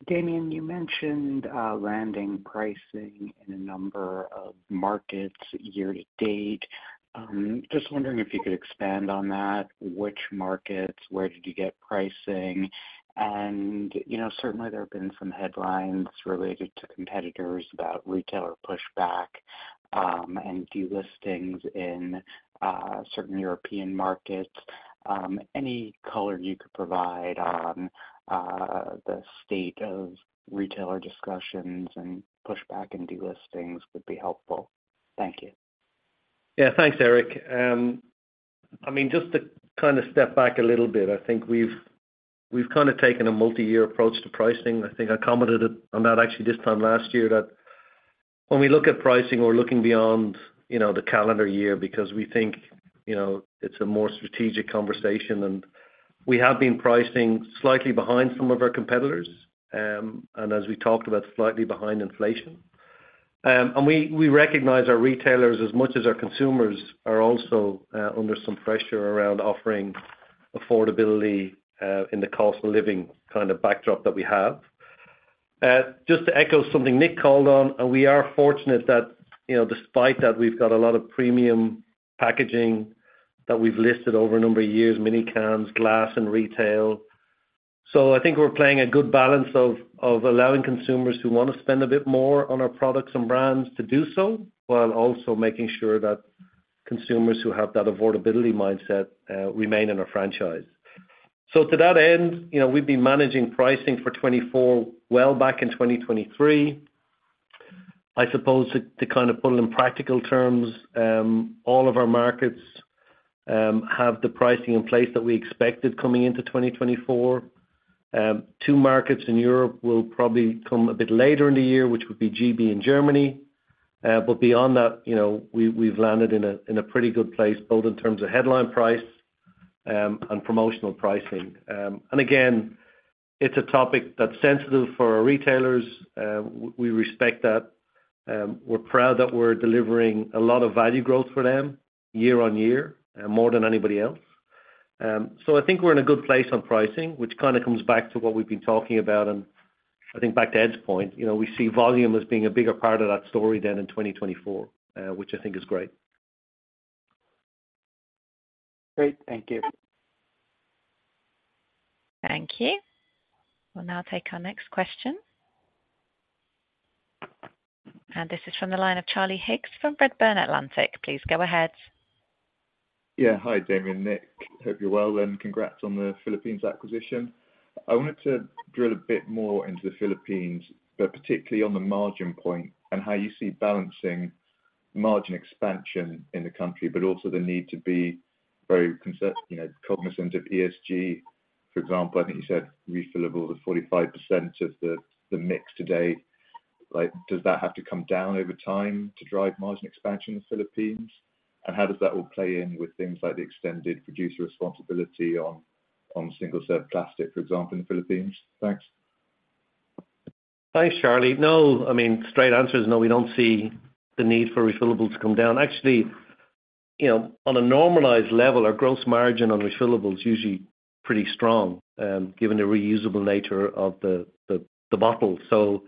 Damian, you mentioned landing pricing in a number of markets year to date. Just wondering if you could expand on that, which markets, where did you get pricing? And certainly, there have been some headlines related to competitors about retailer pushback and delistings in certain European markets. Any color you could provide on the state of retailer discussions and pushback and delistings would be helpful. Thank you. Yeah, thanks, Eric. I mean, just to kind of step back a little bit, I think we've kind of taken a multi-year approach to pricing. I think I commented on that actually this time last year, that when we look at pricing, we're looking beyond the calendar year because we think it's a more strategic conversation. And we have been pricing slightly behind some of our competitors, and as we talked about, slightly behind inflation. And we recognize our retailers as much as our consumers are also under some pressure around offering affordability in the cost of living kind of backdrop that we have. Just to echo something Nik called on, we are fortunate that despite that, we've got a lot of premium packaging that we've listed over a number of years, mini cans, glass, and retail. So I think we're playing a good balance of allowing consumers who want to spend a bit more on our products and brands to do so while also making sure that consumers who have that affordability mindset remain in our franchise. So to that end, we've been managing pricing for 2024 well back in 2023. I suppose to kind of put it in practical terms, all of our markets have the pricing in place that we expected coming into 2024. 2 markets in Europe will probably come a bit later in the year, which would be GB and Germany. But beyond that, we've landed in a pretty good place both in terms of headline price and promotional pricing. And again, it's a topic that's sensitive for our retailers. We respect that. We're proud that we're delivering a lot of value growth for them year-on-year, more than anybody else. So I think we're in a good place on pricing, which kind of comes back to what we've been talking about and I think back to Ed's point, we see volume as being a bigger part of that story than in 2024, which I think is great. Great. Thank you. Thank you. We'll now take our next question. This is from the line of Charlie Higgs from Redburn Atlantic. Please go ahead. Yeah, hi, Damian. Nik, hope you're well and congrats on the Philippines acquisition. I wanted to drill a bit more into the Philippines, but particularly on the margin point and how you see balancing margin expansion in the country, but also the need to be very cognizant of ESG. For example, I think you said refillables are 45% of the mix today. Does that have to come down over time to drive margin expansion in the Philippines? And how does that all play in with things like the extended producer responsibility on single-served plastic, for example, in the Philippines? Thanks. Thanks, Charlie. No, I mean, straight answer is no. We don't see the need for refillables to come down. Actually, on a normalized level, our gross margin on refillables is usually pretty strong given the reusable nature of the bottle. So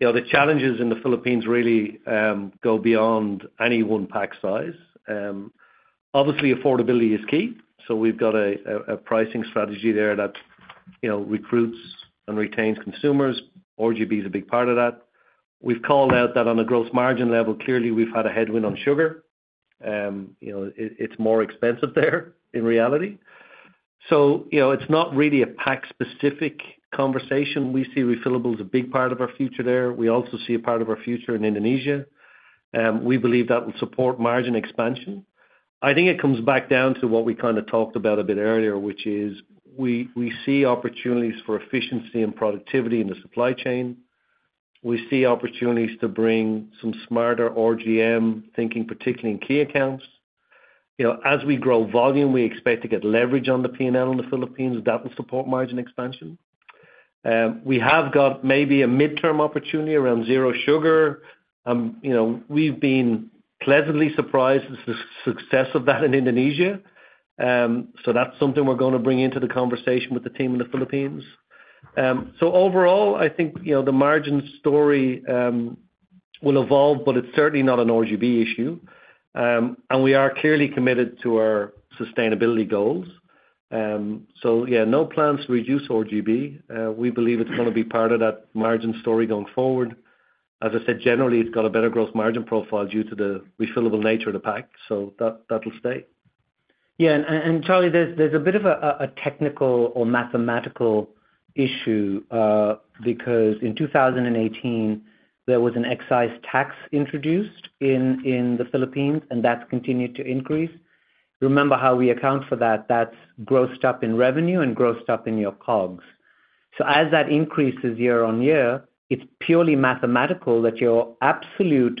the challenges in the Philippines really go beyond any one pack size. Obviously, affordability is key. So we've got a pricing strategy there that recruits and retains consumers. RGB is a big part of that. We've called out that on a gross margin level, clearly, we've had a headwind on sugar. It's more expensive there in reality. So it's not really a pack-specific conversation. We see refillables a big part of our future there. We also see a part of our future in Indonesia. We believe that will support margin expansion. I think it comes back down to what we kind of talked about a bit earlier, which is we see opportunities for efficiency and productivity in the supply chain. We see opportunities to bring some smarter RGM thinking, particularly in key accounts. As we grow volume, we expect to get leverage on the P&L in the Philippines. That will support margin expansion. We have got maybe a midterm opportunity around zero sugar. We've been pleasantly surprised at the success of that in Indonesia. So that's something we're going to bring into the conversation with the team in the Philippines. So overall, I think the margin story will evolve, but it's certainly not an RGB issue. And we are clearly committed to our sustainability goals. So yeah, no plans to reduce RGB. We believe it's going to be part of that margin story going forward. As I said, generally, it's got a better gross margin profile due to the refillable nature of the pack. So that'll stay. Yeah. Charlie, there's a bit of a technical or mathematical issue because in 2018, there was an excise tax introduced in the Philippines, and that's continued to increase. Remember how we account for that? That's grossed up in revenue and grossed up in your COGS. So as that increases year-over-year, it's purely mathematical that your absolute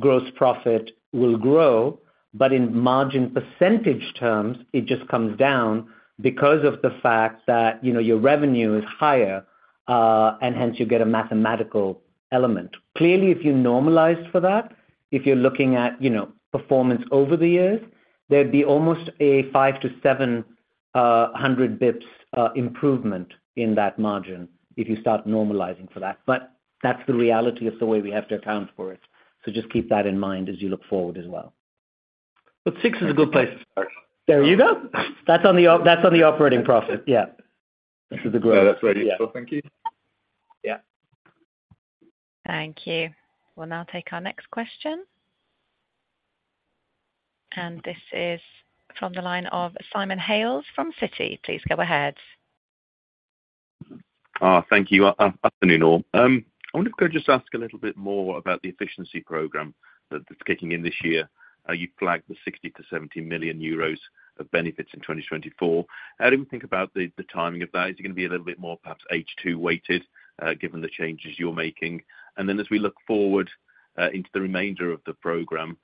gross profit will grow. But in margin percentage terms, it just comes down because of the fact that your revenue is higher, and hence, you get a mathematical element. Clearly, if you normalized for that, if you're looking at performance over the years, there'd be almost a 5-700 basis points improvement in that margin if you start normalizing for that. But that's the reality of the way we have to account for it. So just keep that in mind as you look forward as well. Six is a good place to start. There you go. That's on the operating profit. Yeah. This is the growth. Yeah, that's very useful. Thank you. Thank you. We'll now take our next question. And this is from the line of Simon Hales from Citi. Please go ahead. Thank you. Afternoon, Norm. I wanted to go just ask a little bit more about the efficiency program that's kicking in this year. You flagged the 60 million-70 million euros of benefits in 2024. How do we think about the timing of that? Is it going to be a little bit more perhaps H2-weighted given the changes you're making? And then as we look forward into the remainder of the program,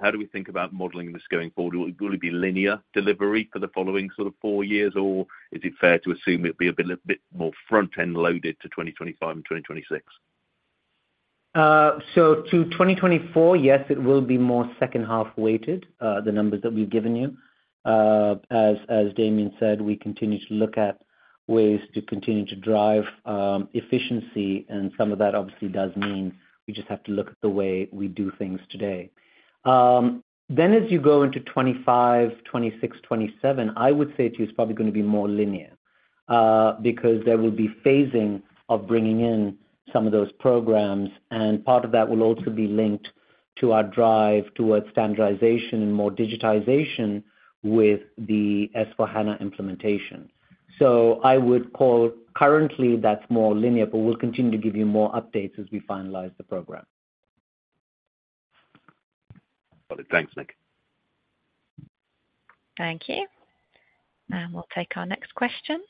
how do we think about modelling this going forward? Will it be linear delivery for the following sort of four years, or is it fair to assume it'll be a bit more front-end loaded to 2025 and 2026? So to 2024, yes, it will be more second-half weighted, the numbers that we've given you. As Damian said, we continue to look at ways to continue to drive efficiency. And some of that, obviously, does mean we just have to look at the way we do things today. Then as you go into 2025, 2026, 2027, I would say to you it's probably going to be more linear because there will be phasing of bringing in some of those programs. And part of that will also be linked to our drive towards standardization and more digitization with the SAP S/4HANA implementation. So I would call currently, that's more linear, but we'll continue to give you more updates as we finalize the program. Got it. Thanks, Nik. Thank you. We'll take our next question.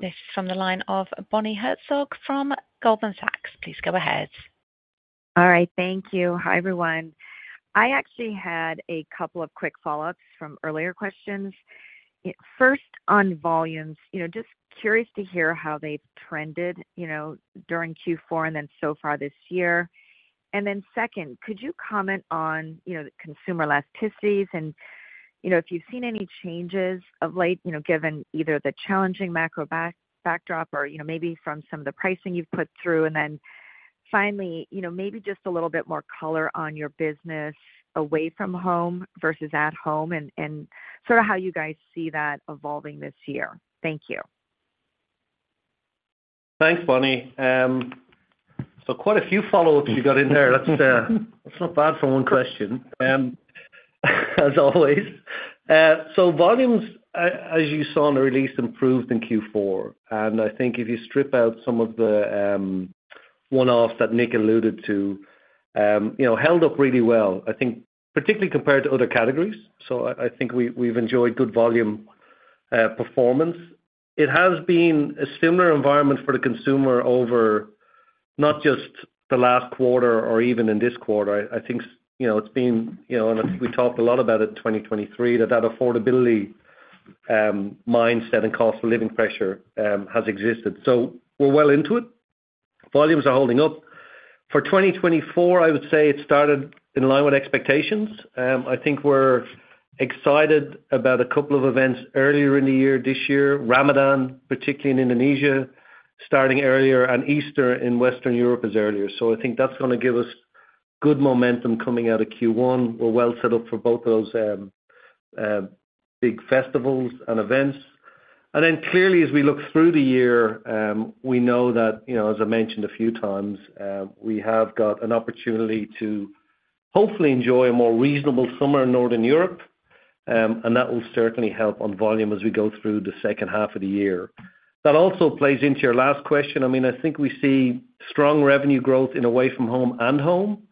This is from the line of Bonnie Herzog from Goldman Sachs. Please go ahead. All right. Thank you. Hi, everyone. I actually had a couple of quick follow-ups from earlier questions. First, on volumes, just curious to hear how they've trended during Q4 and then so far this year. Second, could you comment on consumer elasticities and if you've seen any changes of late given either the challenging macro backdrop or maybe from some of the pricing you've put through? Finally, maybe just a little bit more color on your business away from home versus at home and sort of how you guys see that evolving this year. Thank you. Thanks, Bonnie. So quite a few follow-ups you got in there. That's not bad for one question, as always. So volumes, as you saw in the release, improved in Q4. And I think if you strip out some of the one-offs that Nik alluded to, held up really well, I think, particularly compared to other categories. So I think we've enjoyed good volume performance. It has been a similar environment for the consumer over not just the last quarter or even in this quarter. I think it's been and I think we talked a lot about it in 2023, that that affordability mindset and cost of living pressure has existed. So we're well into it. Volumes are holding up. For 2024, I would say it started in line with expectations. I think we're excited about a couple of events earlier in the year this year, Ramadan particularly in Indonesia starting earlier and Easter in Western Europe is earlier. So I think that's going to give us good momentum coming out of Q1. We're well set up for both of those big festivals and events. And then clearly, as we look through the year, we know that, as I mentioned a few times, we have got an opportunity to hopefully enjoy a more reasonable summer in Northern Europe. And that will certainly help on volume as we go through the second half of the year. That also plays into your last question. I mean, I think we see strong revenue growth in away-from-home and home.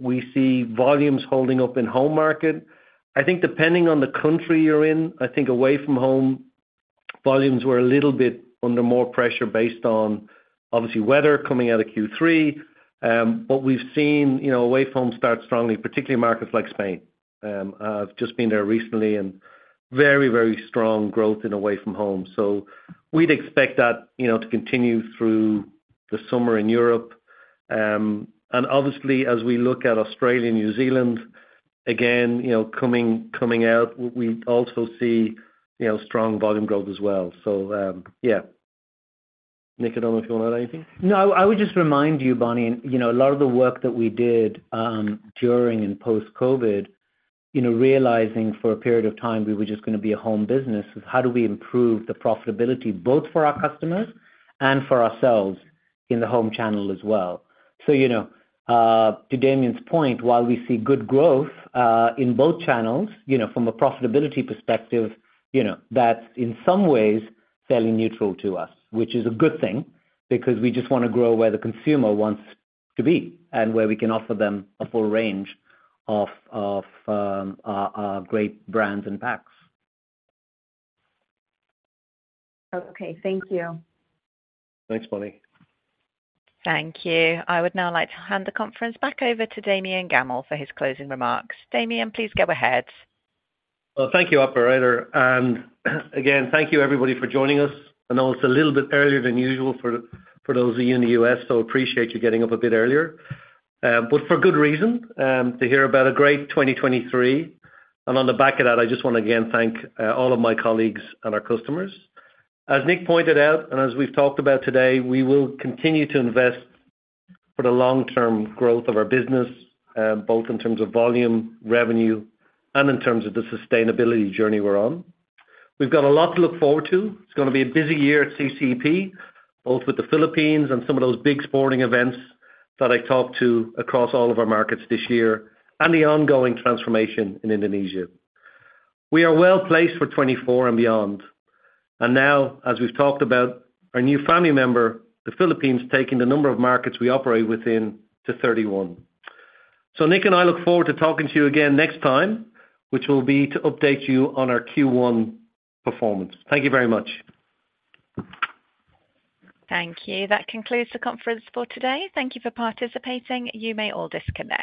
We see volumes holding up in home market. I think depending on the country you're in, I think away-from-home volumes were a little bit under more pressure based on, obviously, weather coming out of Q3. But we've seen away-from-home start strongly, particularly markets like Spain. I've just been there recently and very, very strong growth in away-from-home. So we'd expect that to continue through the summer in Europe. And obviously, as we look at Australia and New Zealand, again, coming out, we also see strong volume growth as well. So yeah. Nik, I don't know if you want to add anything. No, I would just remind you, Bonnie, a lot of the work that we did during and post-COVID, realizing for a period of time we were just going to be a home business, is how do we improve the profitability both for our customers and for ourselves in the home channel as well? So to Damian's point, while we see good growth in both channels, from a profitability perspective, that's in some ways fairly neutral to us, which is a good thing because we just want to grow where the consumer wants to be and where we can offer them a full range of great brands and packs. Okay. Thank you. Thanks, Bonnie. Thank you. I would now like to hand the conference back over to Damian Gammell for his closing remarks. Damian, please go ahead. Thank you, operator. Again, thank you, everybody, for joining us. I know it's a little bit earlier than usual for those of you in the U.S., so I appreciate you getting up a bit earlier. For good reason to hear about a great 2023. On the back of that, I just want to again thank all of my colleagues and our customers. As Nik pointed out and as we've talked about today, we will continue to invest for the long-term growth of our business both in terms of volume, revenue, and in terms of the sustainability journey we're on. We've got a lot to look forward to. It's going to be a busy year at CCEP, both with the Philippines and some of those big sporting events that I talked to across all of our markets this year and the ongoing transformation in Indonesia. We are well placed for 2024 and beyond. And now, as we've talked about, our new family member, the Philippines, taking the number of markets we operate within to 31. So Nik and I look forward to talking to you again next time, which will be to update you on our Q1 performance. Thank you very much. Thank you. That concludes the conference for today. Thank you for participating. You may all disconnect.